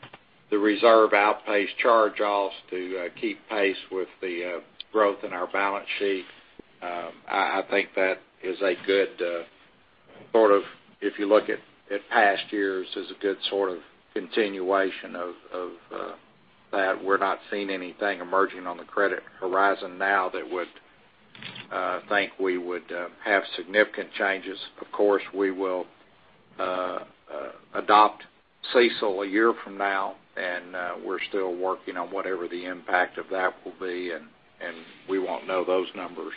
the reserve outpace charge-offs to keep pace with the growth in our balance sheet. I think that is a good sort of, if you look at past years, is a good sort of continuation of that. We're not seeing anything emerging on the credit horizon now that would think we would have significant changes. Of course, we will adopt CECL a year from now, and we're still working on whatever the impact of that will be, and we won't know those numbers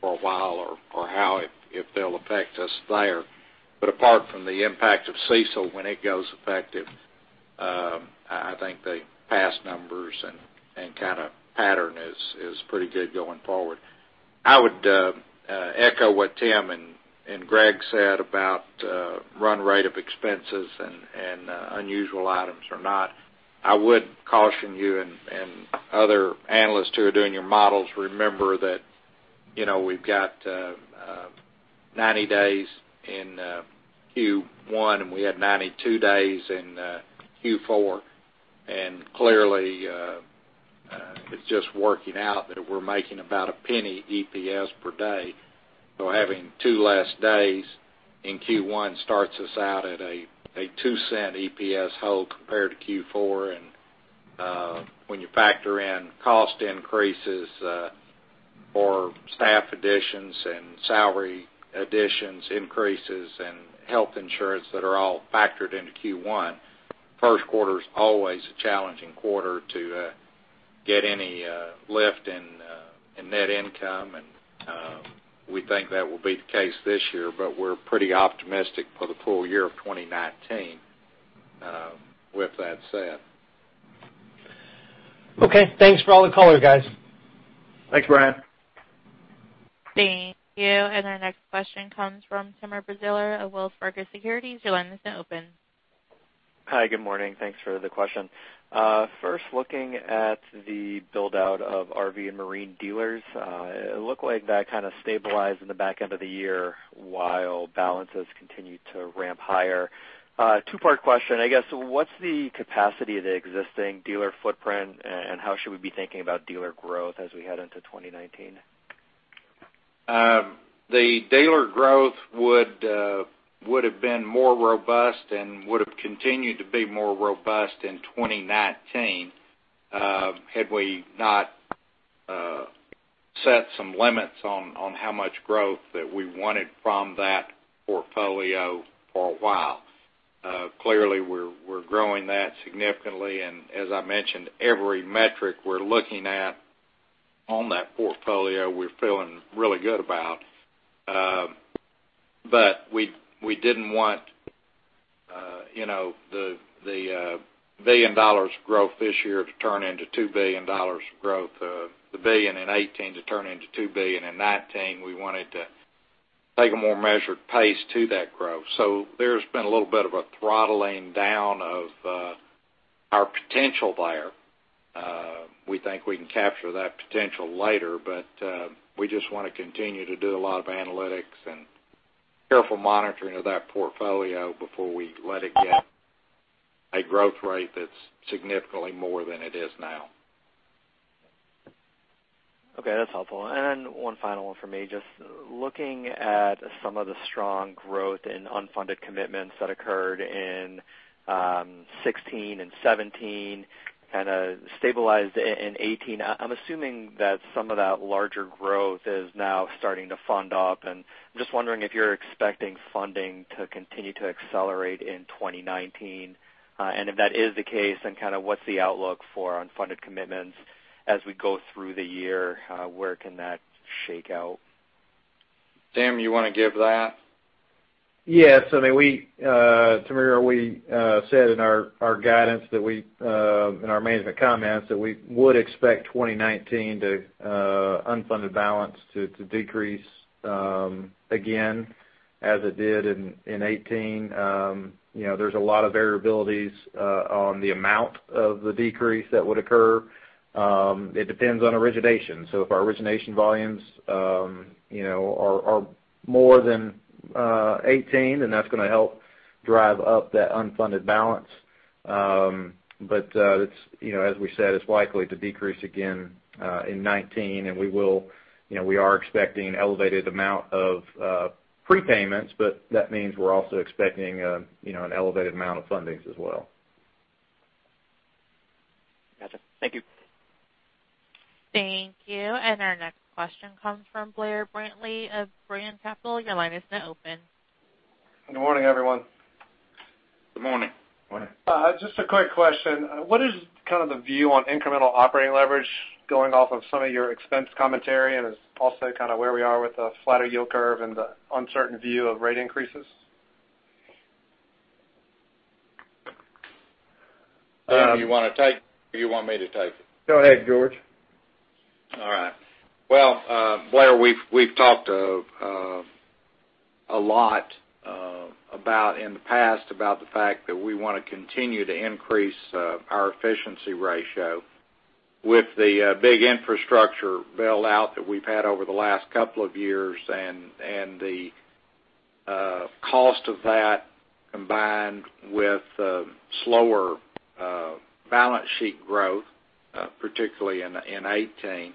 for a while, or how, if they'll affect us there. Apart from the impact of CECL when it goes effective, I think the past numbers and kind of pattern is pretty good going forward. I would echo what Tim and Greg said about run rate of expenses and unusual items or not. I would caution you and other analysts who are doing your models, remember that we've got 90 days in Q1, and we had 92 days in Q4. Clearly, it's just working out that we're making about a $0.01 EPS per day. Having two less days in Q1 starts us out at a $0.02 EPS hole compared to Q4. When you factor in cost increases for staff additions and salary additions increases, and health insurance that are all factored into Q1, first quarter's always a challenging quarter to get any lift in net income, and we think that will be the case this year. We're pretty optimistic for the full year of 2019 with that said. Okay. Thanks for all the color, guys. Thanks, Brian. Thank you. Our next question comes from Timur Braziler of Wells Fargo Securities. Your line is now open. Hi. Good morning. Thanks for the question. First, looking at the build-out of RV and marine dealers, it looked like that kind of stabilized in the back end of the year, while balances continued to ramp higher. A two-part question, I guess, what's the capacity of the existing dealer footprint, and how should we be thinking about dealer growth as we head into 2019? The dealer growth would have been more robust and would have continued to be more robust in 2019 had we not set some limits on how much growth that we wanted from that portfolio for a while. Clearly, we're growing that significantly, and as I mentioned, every metric we're looking at on that portfolio, we're feeling really good about. We didn't want the $1 billion growth this year to turn into $2 billion of growth, the $1 billion in 2018 to turn into $2 billion in 2019. We wanted to take a more measured pace to that growth. There's been a little bit of a throttling down of our potential there. We think we can capture that potential later, but we just want to continue to do a lot of analytics and careful monitoring of that portfolio before we let it get a growth rate that's significantly more than it is now. Okay, that's helpful. One final one from me. Just looking at some of the strong growth in unfunded commitments that occurred in 2016 and 2017, kind of stabilized in 2018. I'm assuming that some of that larger growth is now starting to fund up, and I'm just wondering if you're expecting funding to continue to accelerate in 2019. If that is the case, what's the outlook for unfunded commitments as we go through the year? Where can that shake out? Tim, you want to give that? Yes. Timur, we said in our management comments that we would expect 2019 unfunded balance to decrease again as it did in 2018. There's a lot of variabilities on the amount of the decrease that would occur. It depends on origination. If our origination volumes are more than 2018, that's going to help drive up that unfunded balance. As we said, it's likely to decrease again in 2019, and we are expecting an elevated amount of prepayments, but that means we're also expecting an elevated amount of fundings as well. Gotcha. Thank you. Thank you. Our next question comes from Blair Brantley of Brean Capital. Your line is now open. Good morning, everyone. Good morning. Morning. Just a quick question. What is kind of the view on incremental operating leverage going off of some of your expense commentary, and also kind of where we are with the flatter yield curve and the uncertain view of rate increases? Tim, do you want to take it or do you want me to take it? Go ahead, George. Well, Blair, we've talked a lot in the past about the fact that we want to continue to increase our efficiency ratio with the big infrastructure build-out that we've had over the last couple of years, and the cost of that combined with slower balance sheet growth, particularly in 2018.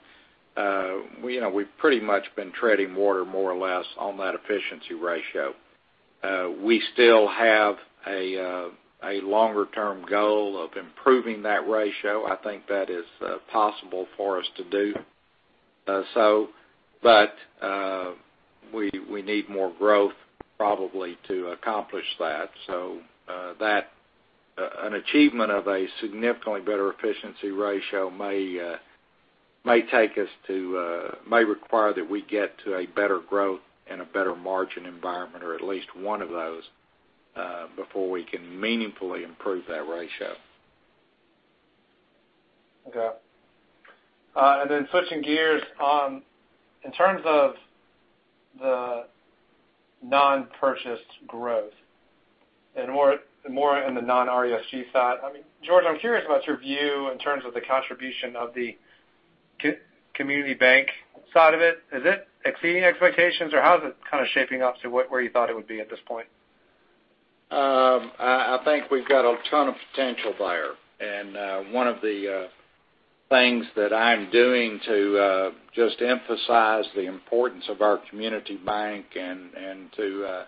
We've pretty much been treading water more or less on that efficiency ratio. We still have a longer-term goal of improving that ratio. I think that is possible for us to do, but we need more growth probably to accomplish that. An achievement of a significantly better efficiency ratio may require that we get to a better growth and a better margin environment, or at least one of those, before we can meaningfully improve that ratio. Okay. Switching gears, in terms of the non-purchased growth and more in the non-RESG side, George, I'm curious about your view in terms of the contribution of the community bank side of it. Is it exceeding expectations, or how is it kind of shaping up to where you thought it would be at this point? I think we've got a ton of potential there. One of the things that I'm doing to just emphasize the importance of our community bank and to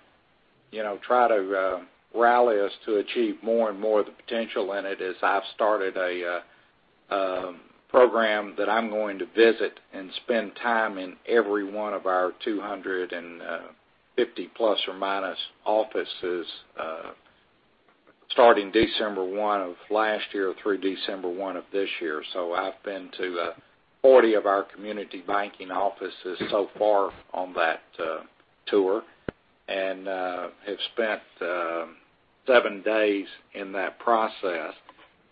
try to rally us to achieve more and more of the potential in it is I've started a program that I'm going to visit and spend time in every one of our ±250 offices starting December 1 of last year through December 1 of this year. I've been to 40 of our community banking offices so far on that tour, and have spent seven days in that process.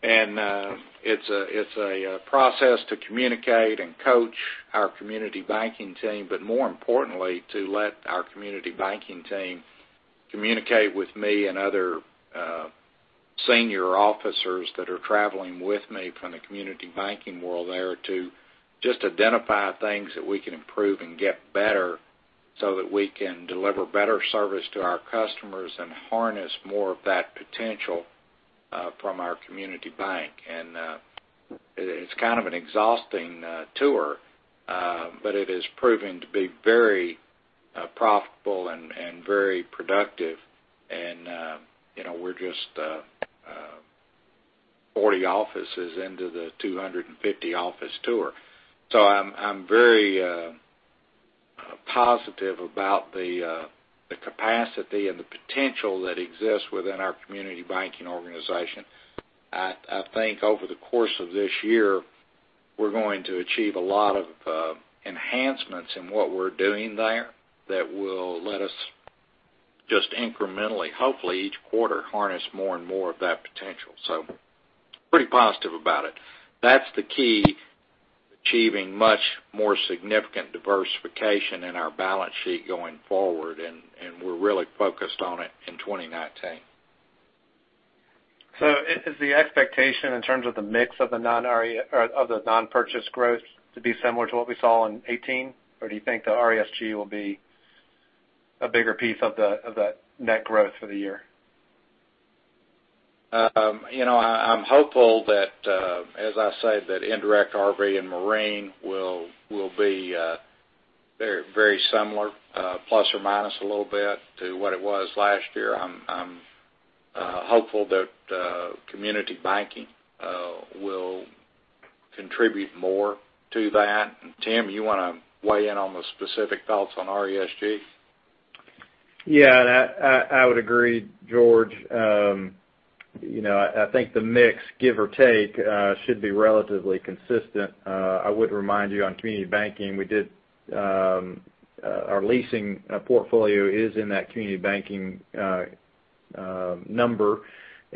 It's a process to communicate and coach our community banking team, but more importantly, to let our community banking team communicate with me and other senior officers that are traveling with me from the community banking world there to just identify things that we can improve and get better so that we can deliver better service to our customers and harness more of that potential from our community bank. It's kind of an exhausting tour, but it is proving to be very profitable and very productive. We're just 40 offices into the 250 office tour. I'm very positive about the capacity and the potential that exists within our community banking organization. I think over the course of this year, we're going to achieve a lot of enhancements in what we're doing there that will let us just incrementally, hopefully each quarter, harness more and more of that potential. Pretty positive about it. That's the key to achieving much more significant diversification in our balance sheet going forward, we're really focused on it in 2019. Is the expectation in terms of the mix of the non-purchase growth to be similar to what we saw in 2018, or do you think the RESG will be a bigger piece of the net growth for the year? I'm hopeful that, as I said, that indirect RV and marine will be very similar, plus or minus a little bit, to what it was last year. I'm hopeful that community banking will contribute more to that. Tim, you want to weigh in on the specific thoughts on RESG? Yeah, I would agree, George. I think the mix, give or take, should be relatively consistent. I would remind you on community banking, our leasing portfolio is in that community banking number.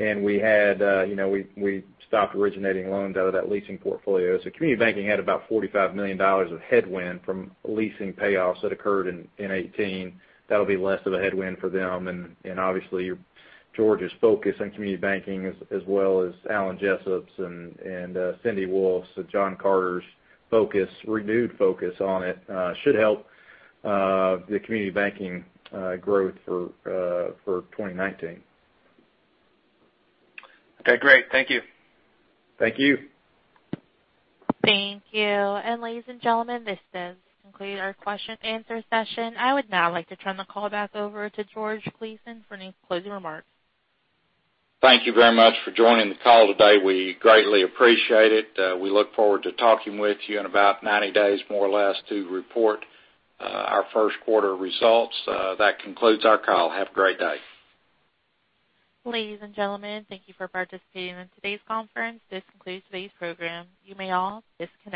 We stopped originating loans out of that leasing portfolio. Community banking had about $45 million of headwind from leasing payoffs that occurred in 2018. That'll be less of a headwind for them. Obviously, George is focused on community banking as well as Alan Jessup's and Cindy Wolfe's and John Carter's renewed focus on it should help the community banking growth for 2019. Okay, great. Thank you. Thank you. Thank you. Ladies and gentlemen, this does conclude our question-answer session. I would now like to turn the call back over to George Gleason for any closing remarks. Thank you very much for joining the call today. We greatly appreciate it. We look forward to talking with you in about 90 days, more or less, to report our first quarter results. That concludes our call. Have a great day. Ladies and gentlemen, thank you for participating in today's conference. This concludes today's program. You may all disconnect.